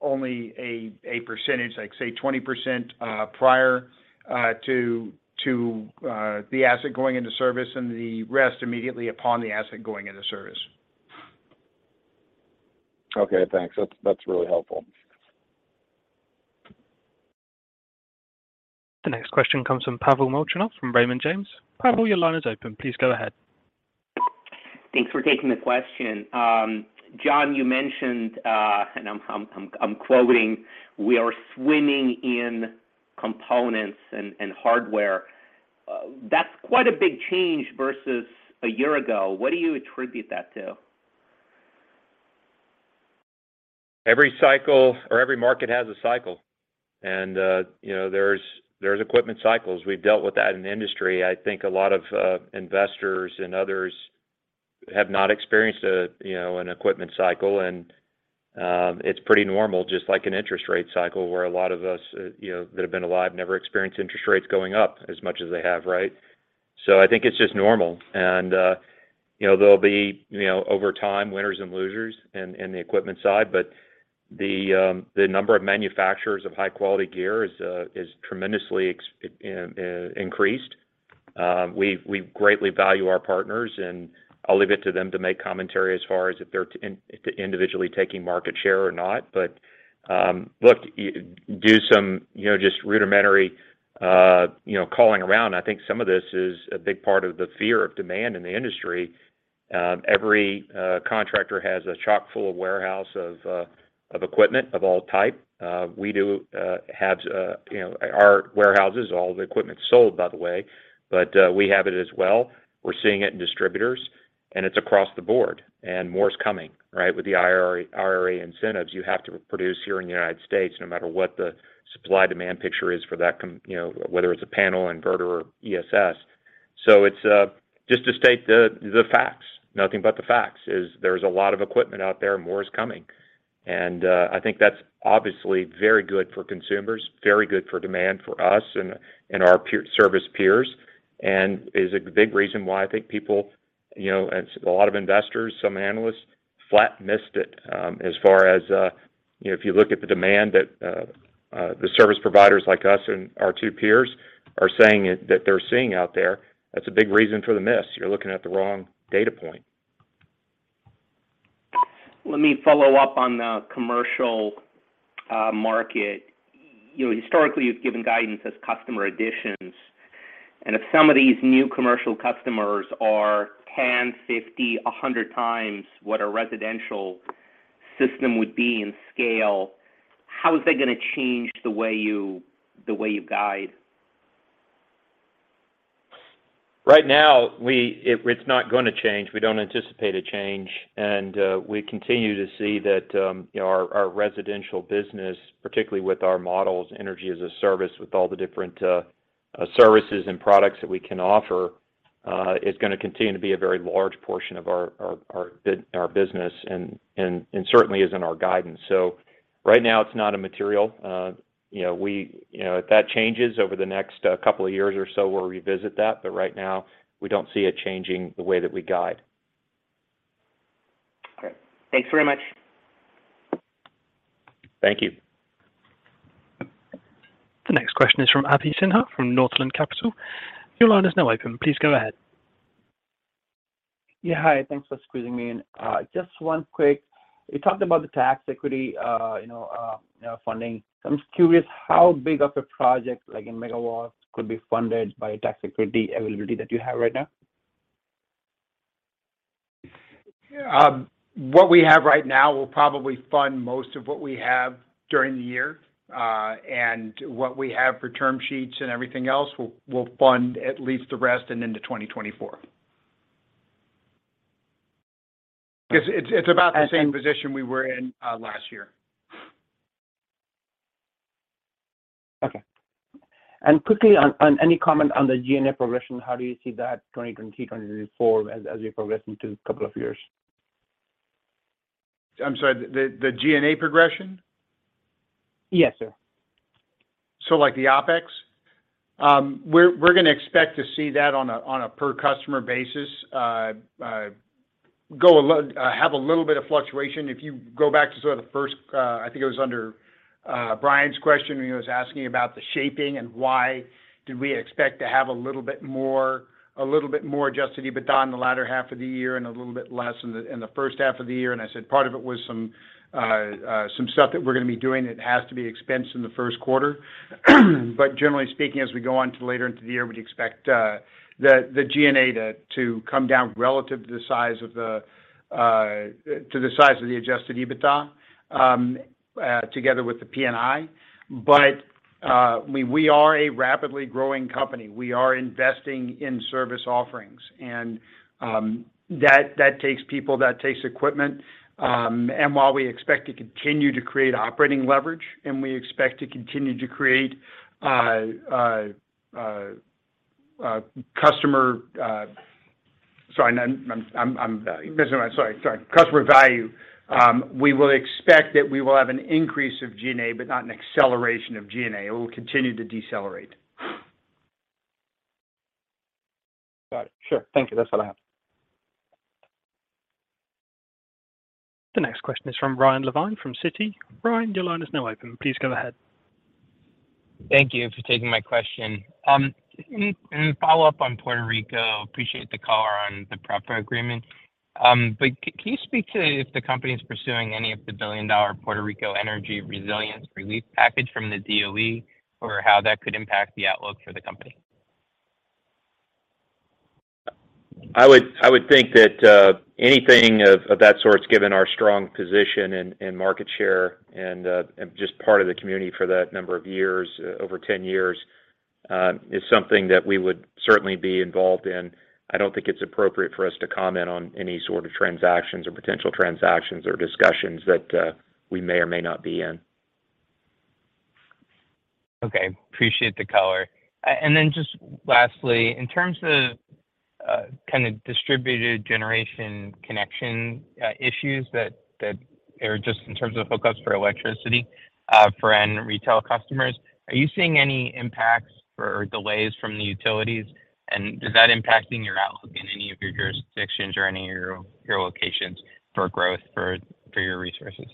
only a percentage, like say 20%, prior to the asset going into service and the rest immediately upon the asset going into service. Okay, thanks. That's really helpful. The next question comes from Pavel Molchanov from Raymond James. Pavel, your line is open. Please go ahead. Thanks for taking the question. John, you mentioned, and I'm quoting, "We are swimming in components and hardware." That's quite a big change versus a year ago. What do you attribute that to? Every cycle or every market has a cycle. You know, there's equipment cycles. We've dealt with that in the industry. I think a lot of investors and others have not experienced a, you know, an equipment cycle. It's pretty normal, just like an interest rate cycle where a lot of us, you know, that have been alive never experienced interest rates going up as much as they have, right? I think it's just normal. You know, there'll be, you know, over time, winners and losers in the equipment side. The number of manufacturers of high-quality gear is tremendously increased. We greatly value our partners, and I'll leave it to them to make commentary as far as if they're individually taking market share or not. Look, do some, you know, just rudimentary, you know, calling around. I think some of this is a big part of the fear of demand in the industry. Every contractor has a chock-full warehouse of equipment of all type. We do have, you know. Our warehouses, all the equipment's sold, by the way, but we have it as well. We're seeing it in distributors, and it's across the board, and more is coming, right? With the IRA incentives, you have to produce here in the United States no matter what the supply-demand picture is for that, you know, whether it's a panel, inverter or ESS. It's just to state the facts, nothing but the facts, is there's a lot of equipment out there, and more is coming. I think that's obviously very good for consumers, very good for demand for us and our service peers, and is a big reason why I think people, you know, as a lot of investors, some analysts flat missed it, as far as, you know, if you look at the demand that the service providers like us and our two peers are saying that they're seeing out there, that's a big reason for the miss. You're looking at the wrong data point. Let me follow up on the commercial, market. You know, historically, you've given guidance as customer additions. If some of these new commercial customers are 10x, 50x, 100x what a residential system would be in scale, how is that gonna change the way you guide? Right now, it's not gonna change. We don't anticipate a change. We continue to see that, you know, our residential business, particularly with our models, Energy as a Service with all the different services and products that we can offer, is gonna continue to be a very large portion of our business and certainly is in our guidance. Right now, it's not a material. You know, if that changes over the next couple of years or so, we'll revisit that, but right now, we don't see it changing the way that we guide. Okay. Thanks very much. Thank you. The next question is from Abhi Sinha from Northland Capital. Your line is now open. Please go ahead. Yeah, hi. Thanks for squeezing me in. Just one quick. You talked about the tax equity, you know, funding. I'm just curious how big of a project, like in megawatts, could be funded by tax equity availability that you have right now? What we have right now will probably fund most of what we have during the year. What we have for term sheets and everything else will fund at least the rest and into 2024. Because it's about the same position we were in, last year. Okay. Quickly on any comment on the G&A progression, how do you see that 2023, 2024 as we progress into a couple of years? I'm sorry, the G&A progression? Yes, sir. Like the OpEx? We're gonna expect to see that on a per customer basis, have a little bit of fluctuation. If you go back to sort of the first, I think it was under Brian's question, when he was asking about the shaping and why did we expect to have a little bit more Adjusted EBITDA in the latter half of the year and a little bit less in the first half of the year. I said part of it was some stuff that we're gonna be doing that has to be expensed in the first quarter. Generally speaking, as we go on to later into the year, we'd expect the G&A to come down relative to the size of the Adjusted EBITDA, together with the P&I. We are a rapidly growing company. We are investing in service offerings, and that takes people, that takes equipment. While we expect to continue to create operating leverage, and we expect to continue to create Customer value, we will expect that we will have an increase of G&A, but not an acceleration of G&A. It will continue to decelerate. Got it. Sure. Thank you. That's all I have. The next question is from Ryan Levine from Citi. Ryan, your line is now open. Please go ahead. Thank you for taking my question. In follow-up on Puerto Rico, appreciate the color on the PREPA agreement. Can you speak to if the company is pursuing any of the billion-dollar Puerto Rico energy resilience relief package from the DOE or how that could impact the outlook for the company? I would think that anything of that sort, given our strong position and market share and just part of the community for that number of years, over 10 years, is something that we would certainly be involved in. I don't think it's appropriate for us to comment on any sort of transactions or potential transactions or discussions that we may or may not be in. Okay. Appreciate the color. Then just lastly, in terms of, kind of distributed generation connection, issues that are just in terms of hookups for electricity, for end retail customers, are you seeing any impacts or delays from the utilities? Is that impacting your outlook in any of your jurisdictions or any of your locations for growth for your resources?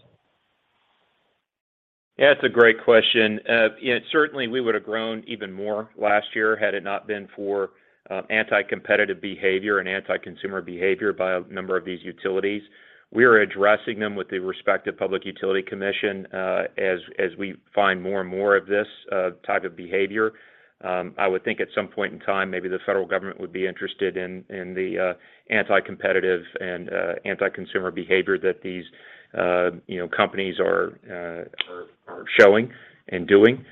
Yeah, it's a great question. Yeah, certainly, we would have grown even more last year had it not been for anti-competitive behavior and anti-consumer behavior by a number of these utilities. We are addressing them with the respective Public Utility Commission, as we find more and more of this type of behavior. I would think at some point in time, maybe the federal government would be interested in the anti-competitive and anti-consumer behavior that these, you know, companies are showing and doing.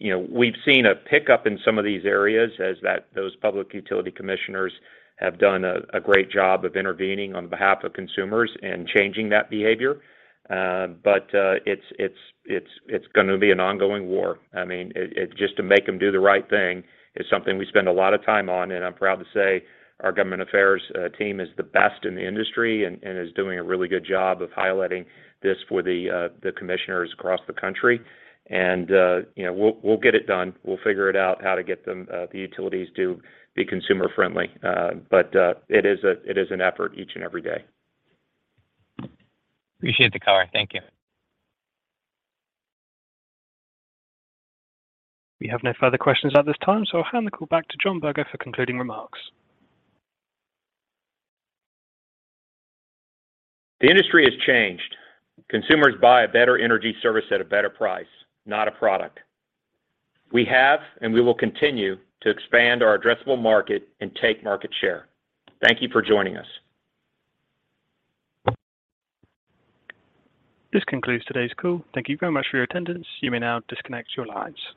You know, we've seen a pickup in some of these areas as those public utility commissioners have done a great job of intervening on behalf of consumers and changing that behavior. It's gonna be an ongoing war. I mean, just to make them do the right thing is something we spend a lot of time on, I'm proud to say our government affairs team is the best in the industry and is doing a really good job of highlighting this for the commissioners across the country. You know, we'll get it done. We'll figure it out, how to get them the utilities to be consumer friendly. It is an effort each and every day. Appreciate the color. Thank you. We have no further questions at this time. I'll hand the call back to John Berger for concluding remarks. The industry has changed. Consumers buy a better energy service at a better price, not a product. We have and we will continue to expand our addressable market and take market share. Thank you for joining us. This concludes today's call. Thank you very much for your attendance. You may now disconnect your lines.